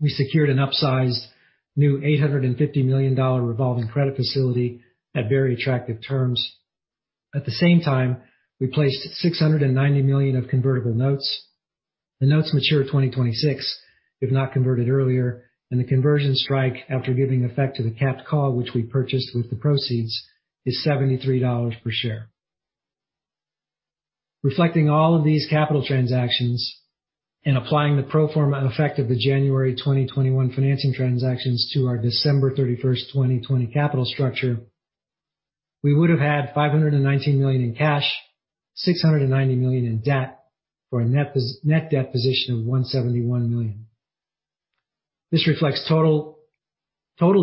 we secured an upsized new $850 million revolving credit facility at very attractive terms. At the same time, we placed $690 million of convertible notes. The notes mature 2026, if not converted earlier, and the conversion strike, after giving effect to the capped call, which we purchased with the proceeds, is $73 per share. Reflecting all of these capital transactions and applying the pro forma effect of the January 2021 financing transactions to our December 31st, 2020 capital structure, we would have had $519 million in cash, $690 million in debt, for a net debt position of $171 million. This reflects total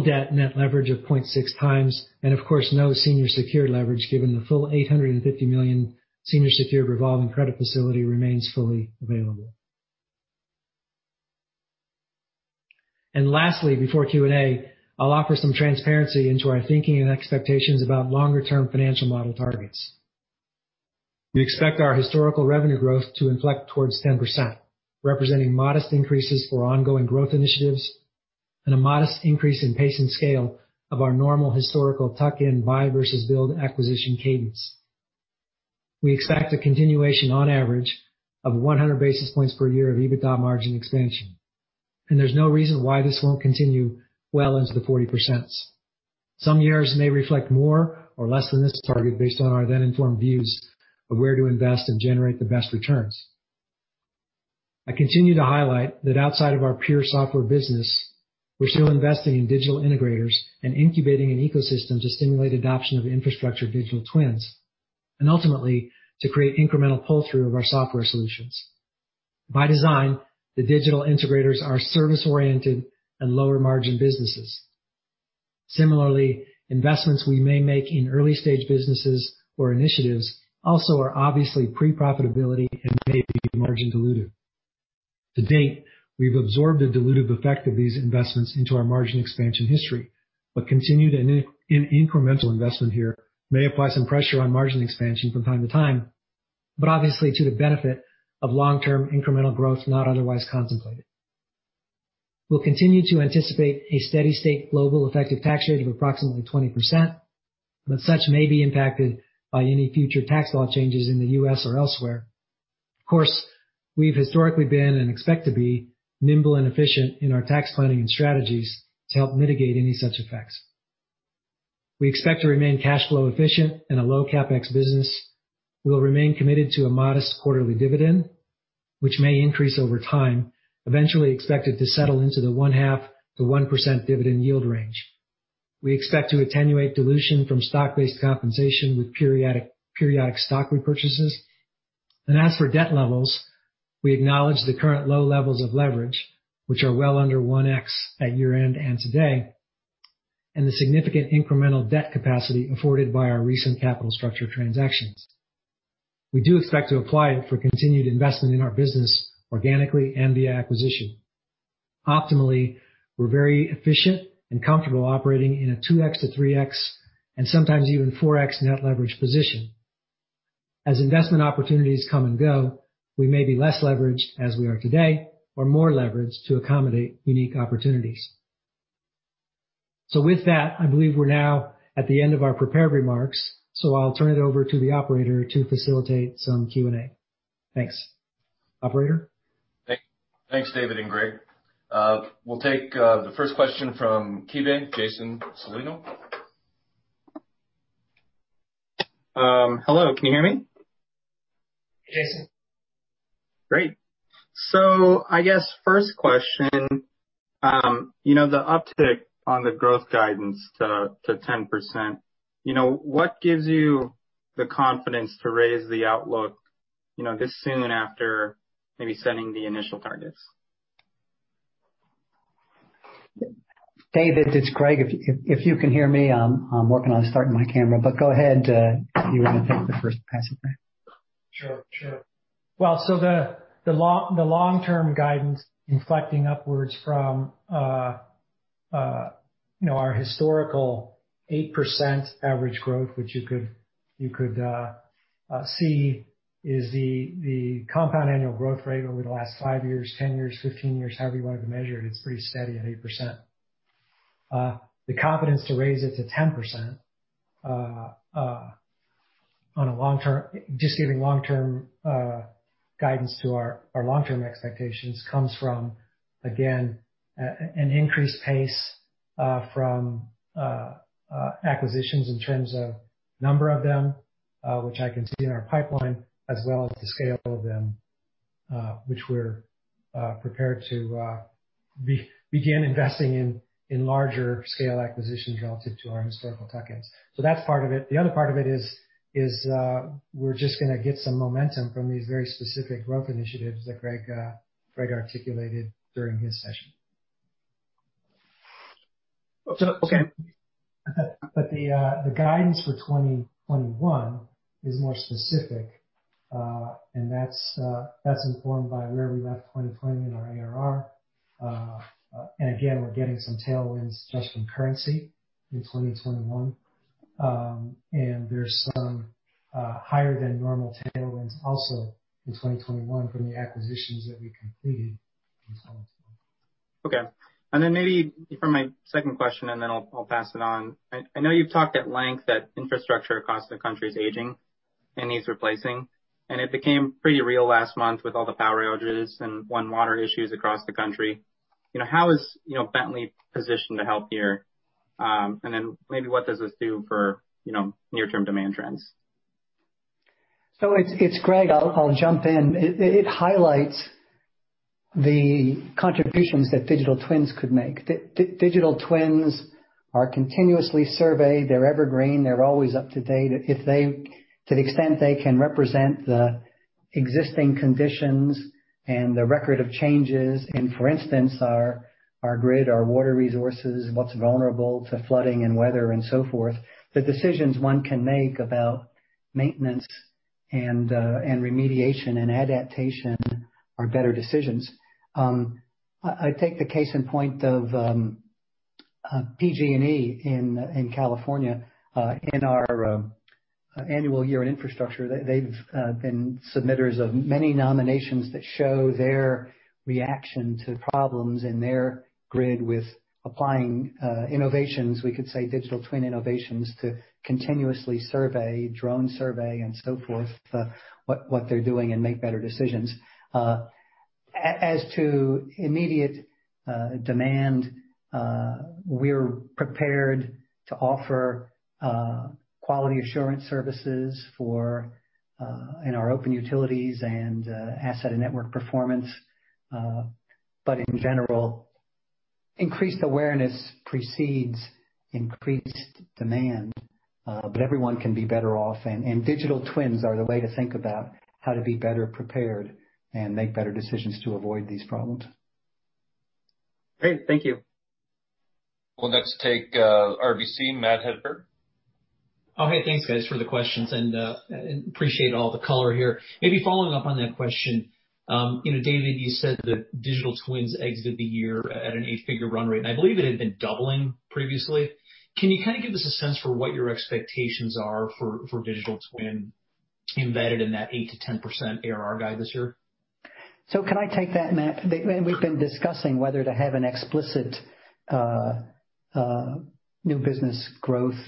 debt net leverage of 0.6x and of course, no senior secured leverage given the full $850 million senior secured revolving credit facility remains fully available. Lastly, before Q&A, I'll offer some transparency into our thinking and expectations about longer term financial model targets. We expect our historical revenue growth to inflect towards 10%, representing modest increases for ongoing growth initiatives and a modest increase in pace and scale of our normal historical tuck-in buy versus build acquisition cadence. We expect a continuation on average of 100 basis points per year of EBITDA margin expansion, and there's no reason why this won't continue well into the 40%. Some years may reflect more or less than this target based on our then informed views of where to invest and generate the best returns. I continue to highlight that outside of our pure software business, we're still investing in digital integrators and incubating an ecosystem to stimulate adoption of infrastructure digital twins, and ultimately, to create incremental pull-through of our software solutions. By design, the digital integrators are service-oriented and lower margin businesses. Similarly, investments we may make in early-stage businesses or initiatives also are obviously pre-profitability and may be margin dilutive. To date, we've absorbed the dilutive effect of these investments into our margin expansion history, continued and incremental investment here may apply some pressure on margin expansion from time to time, obviously to the benefit of long-term incremental growth not otherwise contemplated. We'll continue to anticipate a steady state global effective tax rate of approximately 20%, such may be impacted by any future tax law changes in the U.S. or elsewhere. Of course, we've historically been and expect to be nimble and efficient in our tax planning and strategies to help mitigate any such effects. We expect to remain cash flow efficient and a low CapEx business. We'll remain committed to a modest quarterly dividend, which may increase over time, eventually expected to settle into the 0.5% to 1% dividend yield range. We expect to attenuate dilution from stock-based compensation with periodic stock repurchases. As for debt levels, we acknowledge the current low levels of leverage, which are well under 1x at year-end and today, and the significant incremental debt capacity afforded by our recent capital structure transactions. We do expect to apply it for continued investment in our business organically and via acquisition. Optimally, we're very efficient and comfortable operating in a 2x to 3x and sometimes even 4x net leverage position. As investment opportunities come and go, we may be less leveraged as we are today or more leveraged to accommodate unique opportunities. With that, I believe we're now at the end of our prepared remarks. I'll turn it over to the operator to facilitate some Q&A. Thanks. Operator? Thanks, David and Greg. We'll take the first question from KeyBanc, Jason Celino. Hello, can you hear me? Jason. Great. I guess first question, the uptick on the growth guidance to 10%, what gives you the confidence to raise the outlook this soon after maybe setting the initial targets? David, it is Greg. If you can hear me, I am working on starting my camera, but go ahead. You want to take the first pass at that? Sure. Well, the long-term guidance inflecting upwards from our historical 8% average growth, which you could see is the compound annual growth rate over the last five years, 10 years, 15 years, however you wanted to measure it. It's pretty steady at 8%. The confidence to raise it to 10% just giving long-term guidance to our long-term expectations comes from, again, an increased pace from acquisitions in terms of number of them, which I can see in our pipeline, as well as the scale of them which we're prepared to begin investing in larger scale acquisitions relative to our historical tuck-ins. That's part of it. The other part of it is we're just going to get some momentum from these very specific growth initiatives that Greg articulated during his session. Okay. The guidance for 2021 is more specific. That's informed by where we left 2020 in our ARR. Again, we're getting some tailwinds just from currency in 2021. There's some higher than normal tailwinds also in 2021 from the acquisitions that we completed in 2020. Okay. Then maybe for my second question, then I'll pass it on. I know you've talked at length that infrastructure across the country is aging and needs replacing, and it became pretty real last month with all the power outages and water issues across the country. How is Bentley positioned to help here? Then maybe what does this do for near-term demand trends? It's Greg, I'll jump in. It highlights the contributions that digital twins could make. Digital twins are continuously surveyed. They're evergreen. They're always up to date. To the extent they can represent the existing conditions and the record of changes and, for instance, our grid, our water resources, what's vulnerable to flooding and weather, and so forth, the decisions one can make about maintenance and remediation and adaptation are better decisions. I take the case in point of PG&E in California. In our annual Year in Infrastructure Conference, they've been submitters of many nominations that show their reaction to problems in their grid with applying innovations, we could say digital twin innovations, to continuously survey, drone survey, and so forth, what they're doing and make better decisions. As to immediate demand, we're prepared to offer quality assurance services in our OpenUtilities and asset and network performance. In general, increased awareness precedes increased demand. Everyone can be better off, and digital twins are the way to think about how to be better prepared and make better decisions to avoid these problems. Great. Thank you. We'll next take RBC, Matt Hedberg. Hey, thanks, guys, for the questions and appreciate all the color here. Maybe following up on that question. David, you said that digital twins exited the year at an eight-figure run rate, and I believe it had been doubling previously. Can you kind of give us a sense for what your expectations are for digital twin embedded in that 8%-10% ARR guide this year? Can I take that, Matt? We've been discussing whether to have an explicit new business growth,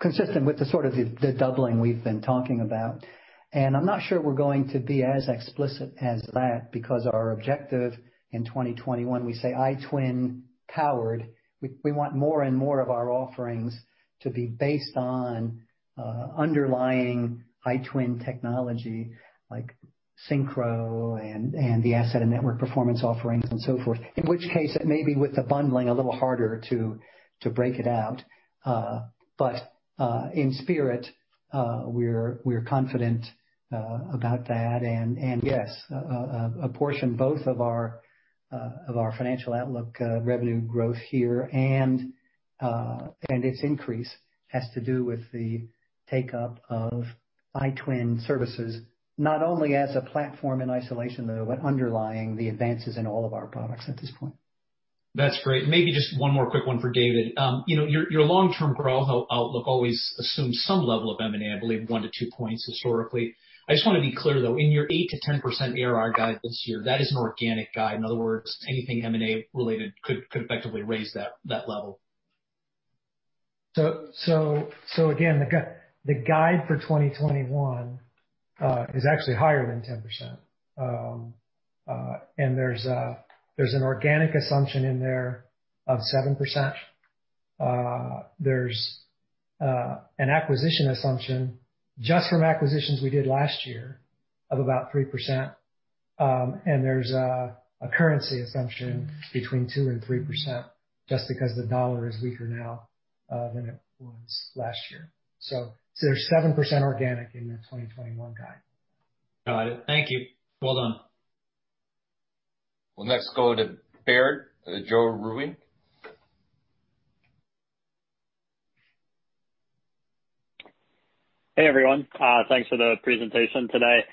consistent with the sort of the doubling we've been talking about. I'm not sure we're going to be as explicit as that, because our objective in 2021, we say iTwin-powered. We want more and more of our offerings to be based on underlying iTwin technology like SYNCHRO and the asset and network performance offerings and so forth. In which case, it may be with the bundling a little harder to break it out. In spirit, we're confident about that. Yes, a portion both of our financial outlook revenue growth here and its increase has to do with the take-up of iTwin services, not only as a platform in isolation, though, but underlying the advances in all of our products at this point. That's great. Maybe just one more quick one for David. Your long-term growth outlook always assumes some level of M&A, I believe one to two points historically. I just want to be clear, though, in your 8%-10% ARR guide this year, that is an organic guide. In other words, anything M&A related could effectively raise that level. Again, the guide for 2021 is actually higher than 10%. There's an organic assumption in there of 7%. There's an acquisition assumption just from acquisitions we did last year of about 3%. There's a currency assumption 2%-3% just because the dollar is weaker now than it was last year. There's 7% organic in the 2021 guide. Got it. Thank you. Well done. We'll next go to Baird, Joe Vruwink. Hey, everyone. Thanks for the presentation today.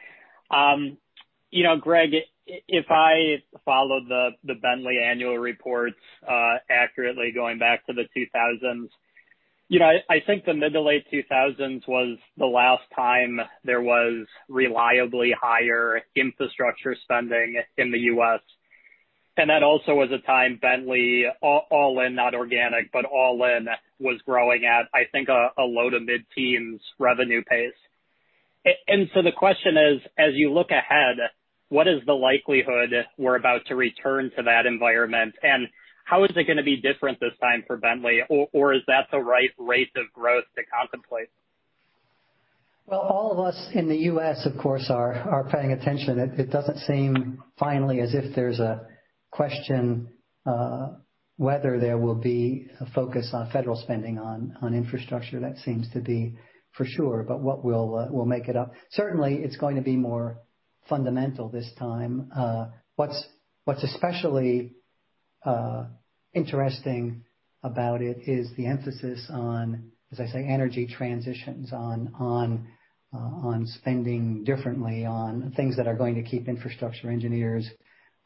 Greg, if I followed the Bentley annual reports accurately going back to the 2000s, I think the mid to late 2000s was the last time there was reliably higher infrastructure spending in the U.S. That also was a time Bentley, all-in, not organic, but all-in, was growing at, I think, a low to mid-teens revenue pace. The question is, as you look ahead, what is the likelihood we're about to return to that environment, and how is it going to be different this time for Bentley? Or is that the right rate of growth to contemplate? Well, all of us in the U.S., of course, are paying attention. It doesn't seem finally as if there's a question whether there will be a focus on federal spending on infrastructure. That seems to be for sure. What will make it up? Certainly, it's going to be more fundamental this time. What's especially interesting about it is the emphasis on, as I say, energy transitions, on spending differently on things that are going to keep infrastructure engineers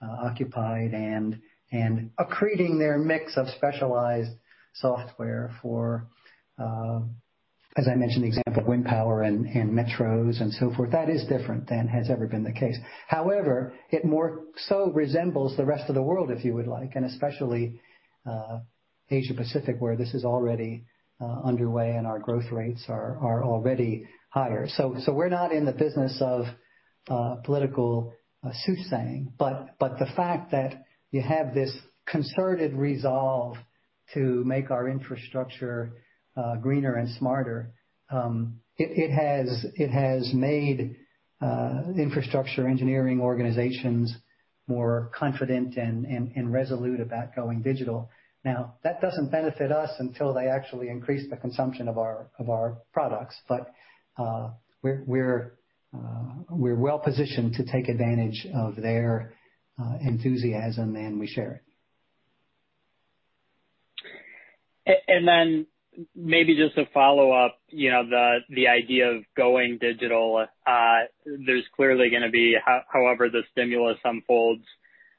occupied and accreting their mix of specialized software for, as I mentioned, the example of wind power and metros and so forth. That is different than has ever been the case. It more so resembles the rest of the world, if you would like, and especially Asia-Pacific, where this is already underway, and our growth rates are already higher. We're not in the business of political soothsaying, but the fact that you have this concerted resolve to make our infrastructure greener and smarter, it has made infrastructure engineering organizations more confident and resolute about going digital. That doesn't benefit us until they actually increase the consumption of our products. We're well-positioned to take advantage of their enthusiasm, and we share it. Maybe just a follow-up, the idea of going digital. There's clearly going to be, however the stimulus unfolds,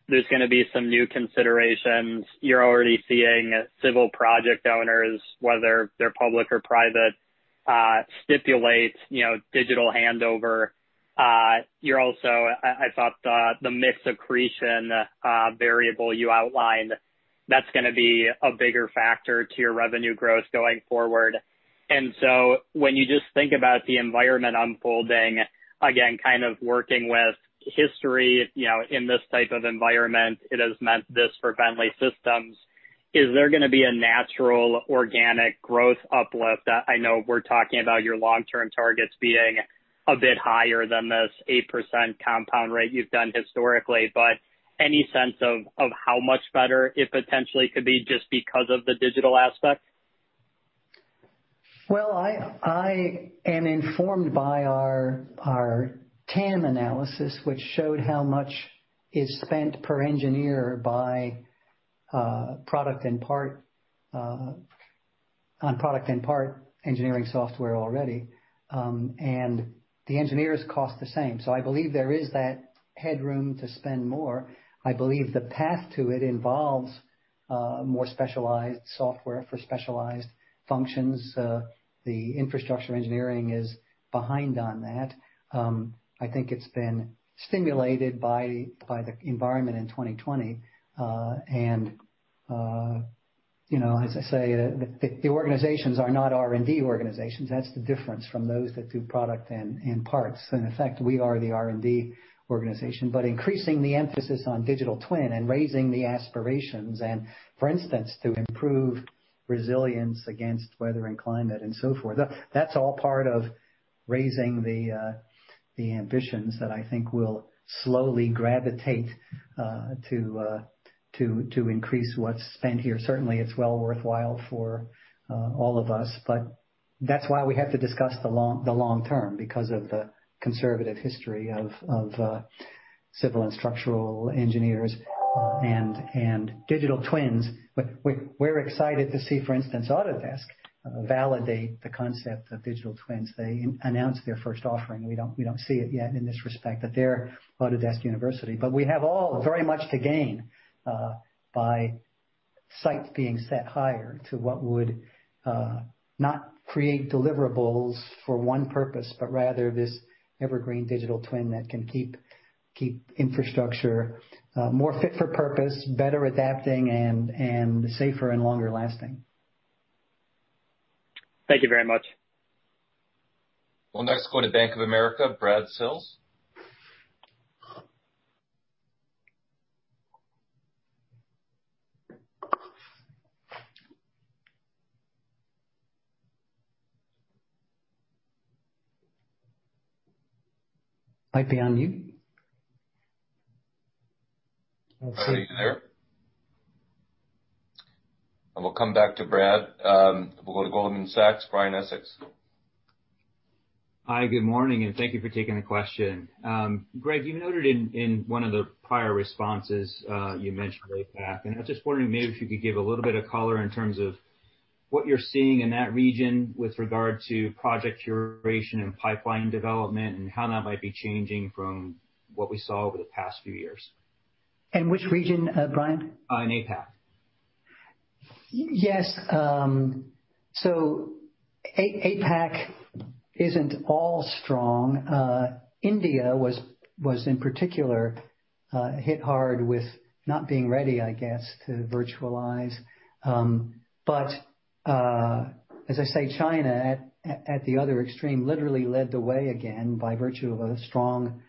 there's going to be some new considerations. You're already seeing civil project owners, whether they're public or private, stipulate digital handover. You're also, I thought, the mix accretion variable you outlined, that's going to be a bigger factor to your revenue growth going forward. When you just think about the environment unfolding, again, kind of working with history in this type of environment, it has meant this for Bentley Systems. Is there going to be a natural organic growth uplift? I know we're talking about your long-term targets being a bit higher than this 8% compound rate you've done historically, but any sense of how much better it potentially could be just because of the digital aspect? I am informed by our TAM analysis, which showed how much is spent per engineer by product and part engineering software already. The engineers cost the same. I believe there is that headroom to spend more. I believe the path to it involves more specialized software for specialized functions. The infrastructure engineering is behind on that. I think it's been stimulated by the environment in 2020. As I say, the organizations are not R&D organizations. That's the difference from those that do product and parts. In fact, we are the R&D organization. Increasing the emphasis on digital twin and raising the aspirations and, for instance, to improve resilience against weather and climate and so forth, that's all part of raising the ambitions that I think will slowly gravitate to increase what's spent here. Certainly, it's well worthwhile for all of us. That's why we have to discuss the long term, because of the conservative history of civil and structural engineers and digital twins. We're excited to see, for instance, Autodesk validate the concept of digital twins. They announced their first offering. We don't see it yet in this respect at their Autodesk University. We have all very much to gain by sights being set higher to what would not create deliverables for one purpose, but rather this evergreen digital twin that can keep infrastructure more fit for purpose, better adapting, and safer and longer lasting. Thank you very much. We'll next go to Bank of America, Brad Sills. Might be on mute. Are you there? We'll come back to Brad. We'll go to Goldman Sachs, Brian Essex. Hi, good morning, and thank you for taking the question. Greg, you noted in one of the prior responses, you mentioned APAC. I was just wondering maybe if you could give a little bit of color in terms of what you're seeing in that region with regard to project curation and pipeline development and how that might be changing from what we saw over the past few years? In which region, Brian? In APAC. Yes. APAC isn't all strong. India was in particular hit hard with not being ready, I guess, to virtualize. As I say, China, at the other extreme, literally led the way again by virtue of a strong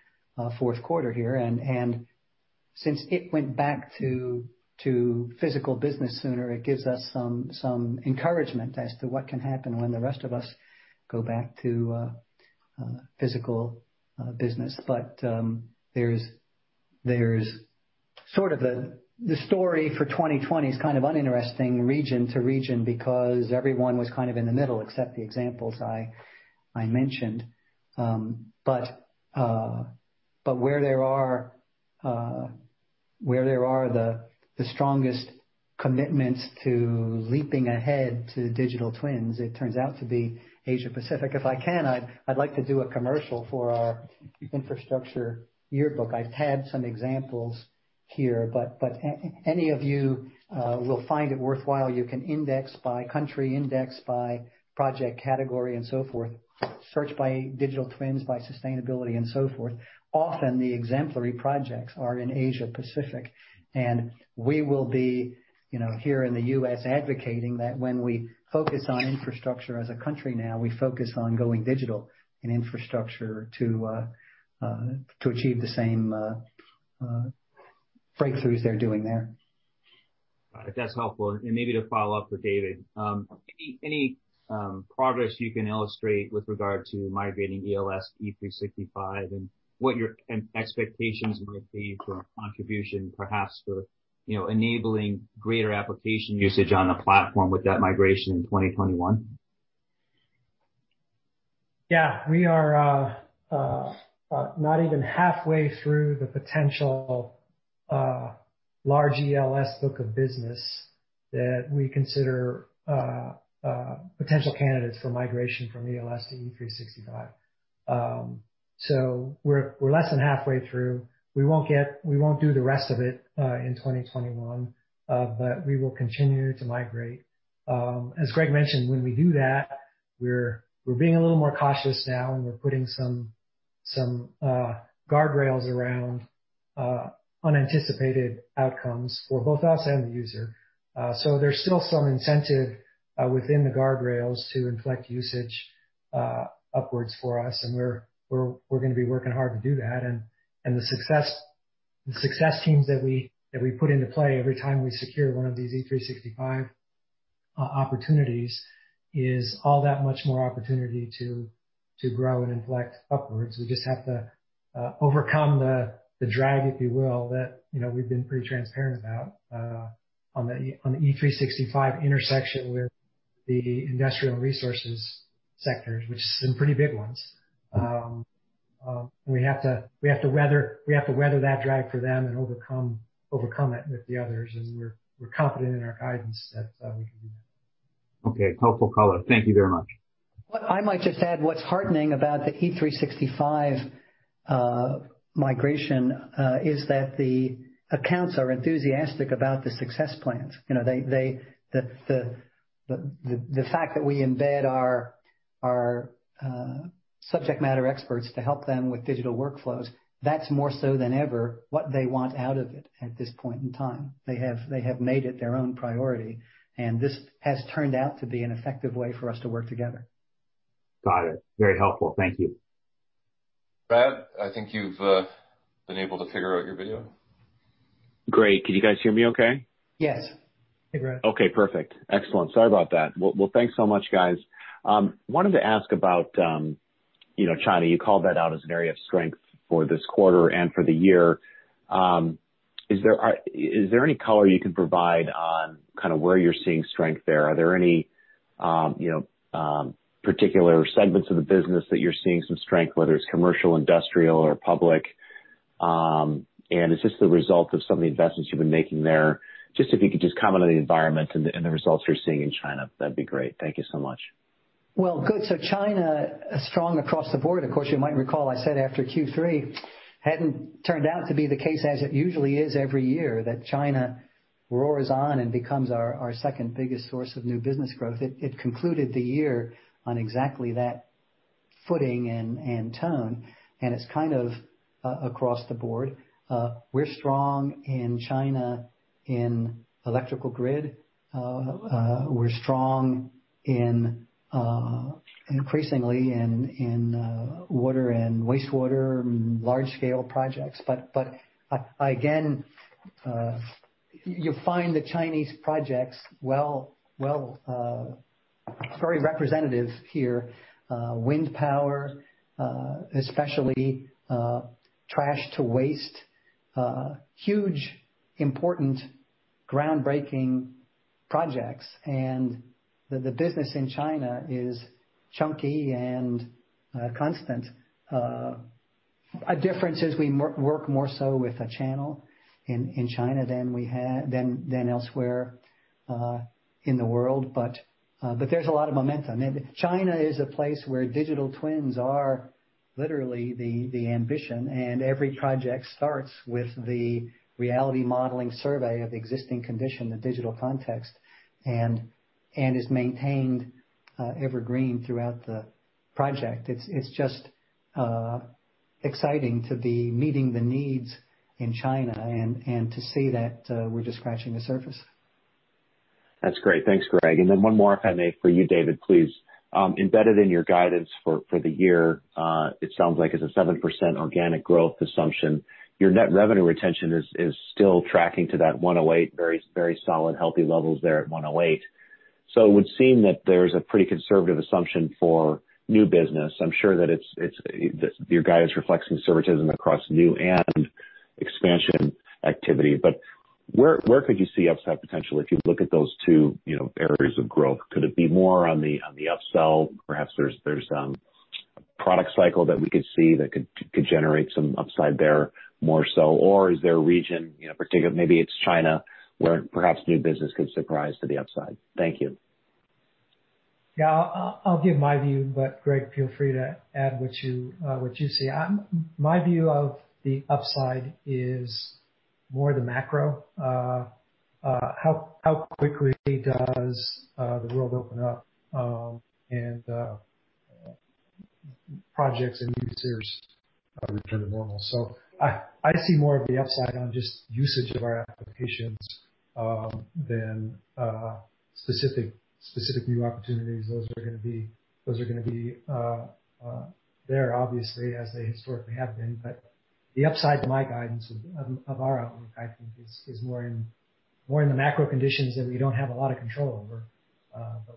fourth quarter here. Since it went back to physical business sooner, it gives us some encouragement as to what can happen when the rest of us go back to physical business. The story for 2020 is kind of uninteresting region to region because everyone was kind of in the middle, except the examples I mentioned. Where there are the strongest commitments to leaping ahead to digital twins, it turns out to be Asia-Pacific. If I can, I'd like to do a commercial for our infrastructure yearbook. I've had some examples here, but any of you will find it worthwhile. You can index by country, index by project category, and so forth. Search by digital twins, by sustainability, and so forth. Often, the exemplary projects are in Asia-Pacific, and we will be here in the U.S. advocating that when we focus on infrastructure as a country now, we focus on going digital in infrastructure to achieve the same breakthroughs they're doing there. All right. That's helpful. Maybe to follow up for David, any progress you can illustrate with regard to migrating ELS to E365 and what your expectations might be for a contribution, perhaps for enabling greater application usage on the platform with that migration in 2021? We are not even halfway through the potential large ELS book of business that we consider potential candidates for migration from ELS to E365. We're less than halfway through. We won't do the rest of it in 2021. We will continue to migrate. As Greg mentioned, when we do that, we're being a little more cautious now, and we're putting some guardrails around unanticipated outcomes for both us and the user. There's still some incentive within the guardrails to inflect usage upwards for us, and we're going to be working hard to do that. The success teams that we put into play every time we secure one of these E365 opportunities is all that much more opportunity to grow and inflect upwards. We just have to overcome the drag, if you will, that we've been pretty transparent about on the E365 intersection with the industrial resources sectors, which some pretty big ones. We have to weather that drag for them and overcome it with the others, and we're confident in our guidance that we can do that. Okay. Helpful color. Thank you very much. What I might just add, what's heartening about the E365 migration is that the accounts are enthusiastic about the success plans. The fact that we embed our subject matter experts to help them with digital workflows, that's more so than ever what they want out of it at this point in time. They have made it their own priority, this has turned out to be an effective way for us to work together. Got it. Very helpful. Thank you. Brad, I think you've been able to figure out your video. Great. Can you guys hear me okay? Yes. Hey, Brad. Okay, perfect. Excellent. Sorry about that. Thanks so much, guys. Wanted to ask about China. You called that out as an area of strength for this quarter and for the year. Is there any color you can provide on where you're seeing strength there? Are there any particular segments of the business that you're seeing some strength, whether it's commercial, industrial, or public? Is this the result of some of the investments you've been making there? Just if you could just comment on the environment and the results you're seeing in China, that'd be great. Thank you so much. Well, good. China is strong across the board. Of course, you might recall I said after Q3 hadn't turned out to be the case as it usually is every year, that China roars on and becomes our second biggest source of new business growth. It concluded the year on exactly that footing and tone, and it's kind of across the board. We're strong in China in electrical grid. We're strong increasingly in water and wastewater and large-scale projects. Again, you find the Chinese projects very representative here. Wind power, especially trash to waste. Huge, important, groundbreaking projects. The business in China is chunky and constant. A difference is we work more so with a channel in China than elsewhere in the world. There's a lot of momentum. China is a place where digital twins are literally the ambition. Every project starts with the reality modeling survey of existing condition, the digital context, and is maintained evergreen throughout the project. It's just exciting to be meeting the needs in China and to see that we're just scratching the surface. That's great. Thanks, Greg. One more, if I may, for you, David, please. Embedded in your guidance for the year, it sounds like it's a 7% organic growth assumption. Your net revenue retention is still tracking to that 108, very solid, healthy levels there at 108. It would seem that there's a pretty conservative assumption for new business. I'm sure that your guidance reflects conservatism across new and expansion activity. Where could you see upside potential if you look at those two areas of growth? Could it be more on the upsell? Perhaps there's some product cycle that we could see that could generate some upside there more so, or is there a region in particular, maybe it's China, where perhaps new business could surprise to the upside? Thank you. Yeah, I'll give my view, but Greg, feel free to add what you see. My view of the upside is more the macro. How quickly does the world open up, and projects and new series return to normal? I see more of the upside on just usage of our applications than specific new opportunities. Those are going to be there, obviously, as they historically have been. The upside to my guidance of our outlook, I think, is more in the macro conditions that we don't have a lot of control over.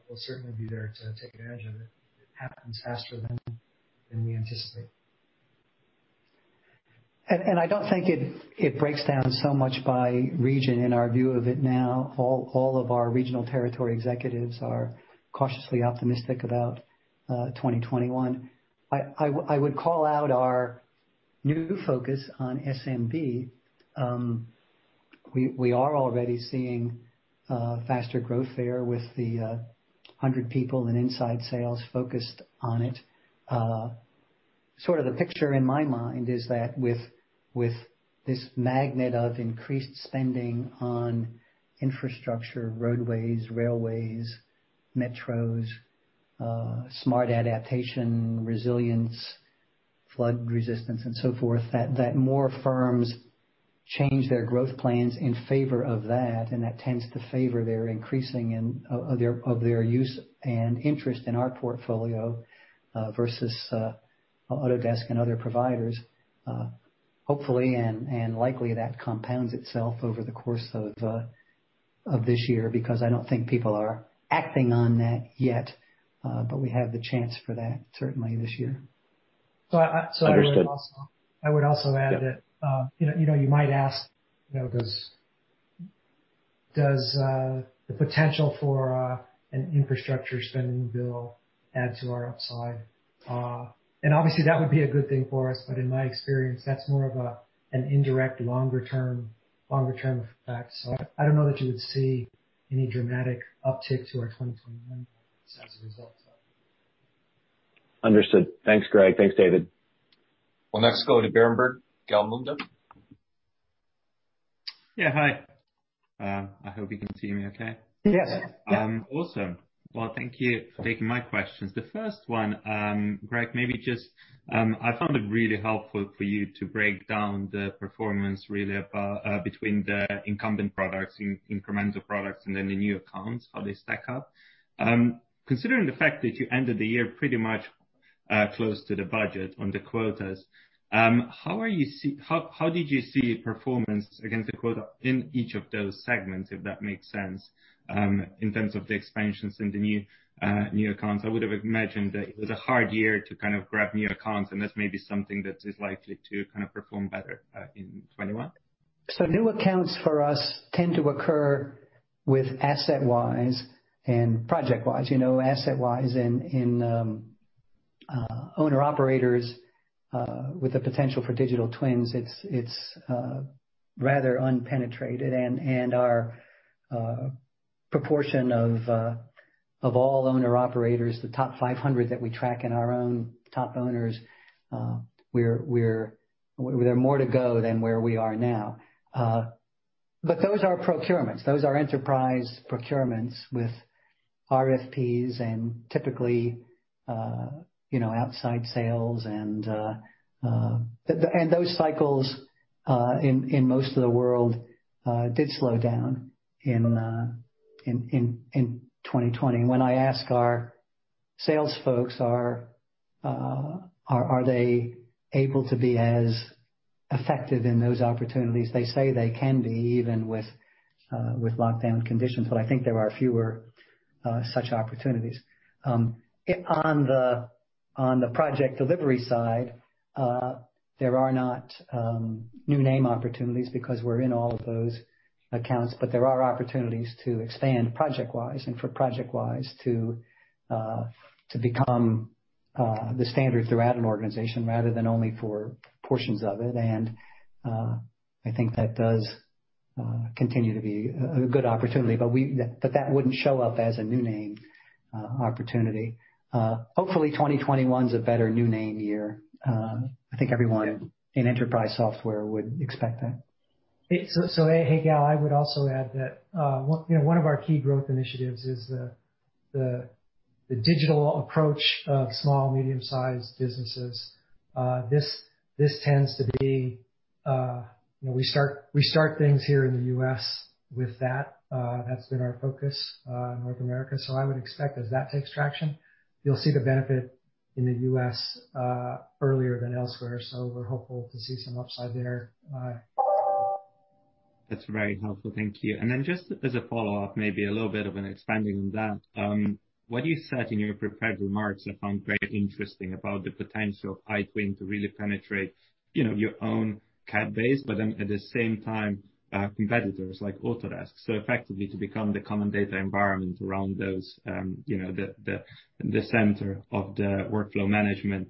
We'll certainly be there to take advantage of it. It happens faster than we anticipate. I don't think it breaks down so much by region in our view of it now. All of our regional territory executives are cautiously optimistic about 2021. I would call out our new focus on SMB. We are already seeing faster growth there with the 100 people in inside sales focused on it. Sort of the picture in my mind is that with this magnet of increased spending on infrastructure, roadways, railways, metros, smart adaptation, resilience, flood resistance, and so forth, that more firms change their growth plans in favor of that, and that tends to favor their increasing of their use and interest in our portfolio, versus Autodesk and other providers. Hopefully and likely, that compounds itself over the course of this year, because I don't think people are acting on that yet. We have the chance for that, certainly this year. So I- Understood I would also add that you might ask, does the potential for an infrastructure spending bill add to our upside? Obviously, that would be a good thing for us, but in my experience, that's more of an indirect longer-term effect. I don't know that you would see any dramatic uptick to our 2021 plans as a result of that. Understood. Thanks, Greg. Thanks, David. We'll next go to Berenberg, Gal Munda. Yeah, hi. I hope you can see me okay. Yes. Yeah. Awesome. Well, thank you for taking my questions. The first one, Greg, I found it really helpful for you to break down the performance, really, between the incumbent products, incremental products, and then the new accounts, how they stack up. Considering the fact that you ended the year pretty much close to the budget on the quotas, how did you see performance against the quota in each of those segments, if that makes sense, in terms of the expansions in the new accounts? I would've imagined that it was a hard year to grab new accounts, and that's maybe something that is likely to perform better in 2021. New accounts for us tend to occur with AssetWise and ProjectWise. AssetWise in owner/operators with the potential for digital twins. It's rather unpenetrated, and our proportion of all owner/operators, the top 500 that we track and our own top owners, there are more to go than where we are now. Those are procurements. Those are enterprise procurements with RFPs and typically outside sales. Those cycles, in most of the world, did slow down in 2020. When I ask our sales folks are they able to be as effective in those opportunities, they say they can be, even with lockdown conditions. I think there are fewer such opportunities. On the project delivery side, there are not new name opportunities because we're in all of those accounts, but there are opportunities to expand ProjectWise and for ProjectWise to become the standard throughout an organization rather than only for portions of it. I think that does continue to be a good opportunity, but that wouldn't show up as a new name opportunity. Hopefully, 2021 is a better new name year. I think everyone in enterprise software would expect that. Hey, Gal, I would also add that one of our key growth initiatives is the digital approach of small, medium-sized businesses. We start things here in the U.S. with that. That's been our focus, North America. I would expect as that takes traction, you'll see the benefit in the U.S. earlier than elsewhere. We're hopeful to see some upside there. That's very helpful. Thank you. Then just as a follow-up, maybe a little bit of an expanding on that. What you said in your prepared remarks, I found very interesting about the potential of iTwin to really penetrate your own CAD base, but then at the same time, competitors like Autodesk, so effectively to become the common data environment around the center of the workflow management.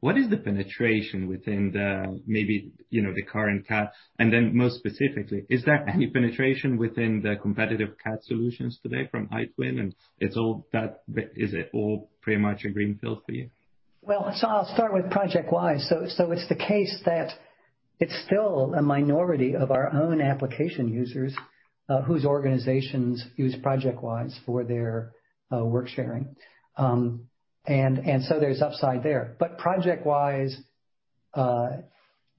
What is the penetration within the current CAD? Then most specifically, is there any penetration within the competitive CAD solutions today from iTwin, and is it all pretty much a greenfield for you? I'll start with ProjectWise. It's the case that it's still a minority of our own application users whose organizations use ProjectWise for their work sharing. There's upside there.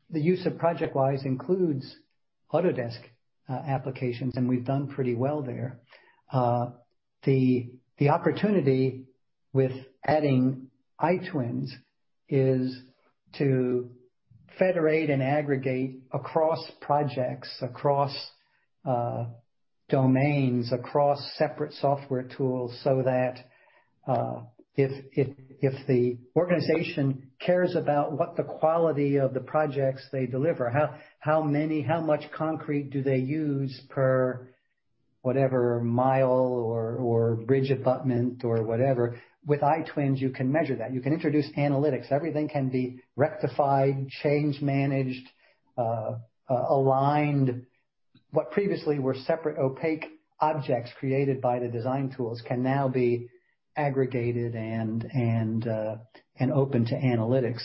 The use of ProjectWise includes Autodesk applications, and we've done pretty well there. The opportunity with adding iTwins is to federate and aggregate across projects, across domains, across separate software tools so that if the organization cares about what the quality of the projects they deliver, how much concrete do they use per whatever mile or bridge abutment or whatever. With iTwins, you can measure that. You can introduce analytics. Everything can be rectified, change managed, aligned. What previously were separate opaque objects created by the design tools can now be aggregated and open to analytics.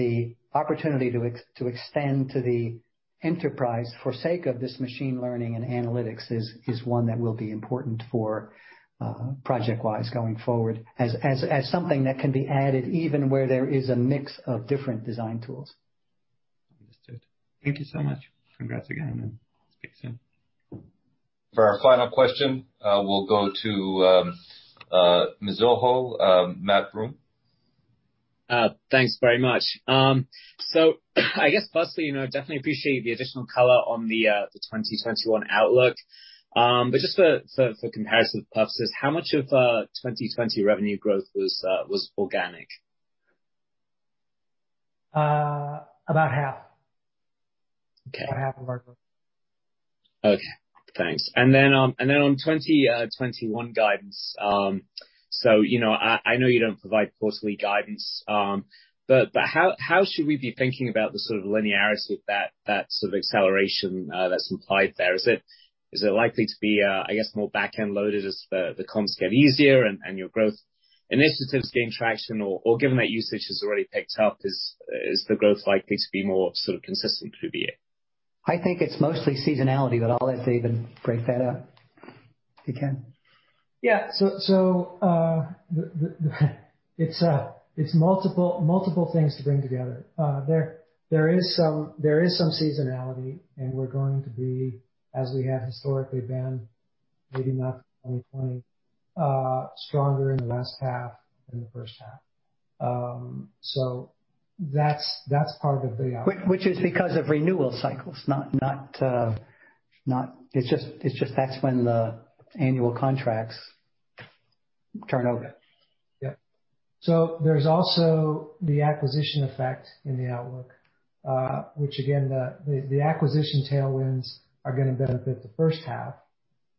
The opportunity to extend to the enterprise for sake of this machine learning and analytics is one that will be important for ProjectWise going forward as something that can be added even where there is a mix of different design tools. Understood. Thank you so much. Congrats again, and speak soon. For our final question, we'll go to Mizuho, Matthew Broome. Thanks very much. I guess firstly, definitely appreciate the additional color on the 2021 outlook. Just for comparison purposes, how much of 2020 revenue growth was organic? About half. Okay. About half of our growth. Okay, thanks. On 2021 guidance. How should we be thinking about the sort of linearity of that sort of acceleration that's implied there? Is it likely to be, I guess, more back-end loaded as the comps get easier and your growth initiatives gain traction? Given that usage has already picked up, is the growth likely to be more sort of consistent through the year? I think it's mostly seasonality, but I'll let David break that up if he can. It's multiple things to bring together. There is some seasonality, and we're going to be, as we have historically been, maybe not in 2020, stronger in the last half than the first half. That's part of the outlook. Which is because of renewal cycles. It's just that's when the annual contracts turn over. Yep. There's also the acquisition effect in the outlook, which again, the acquisition tailwinds are going to benefit the first half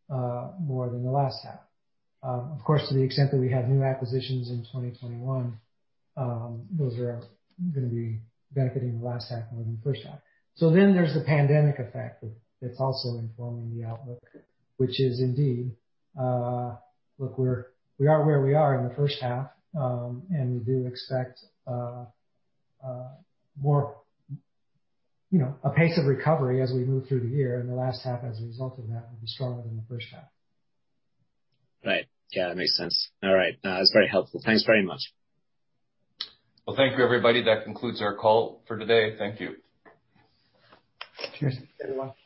more than the last half. Of course, to the extent that we have new acquisitions in 2021, those are going to be benefiting the last half more than the first half. There's the pandemic effect that's also informing the outlook, which is indeed, look, we are where we are in the first half, and we do expect a pace of recovery as we move through the year. The last half as a result of that will be stronger than the first half. Right. Yeah, that makes sense. All right. No, that's very helpful. Thanks very much. Well, thank you, everybody. That concludes our call for today. Thank you. Cheers. Thanks, everyone.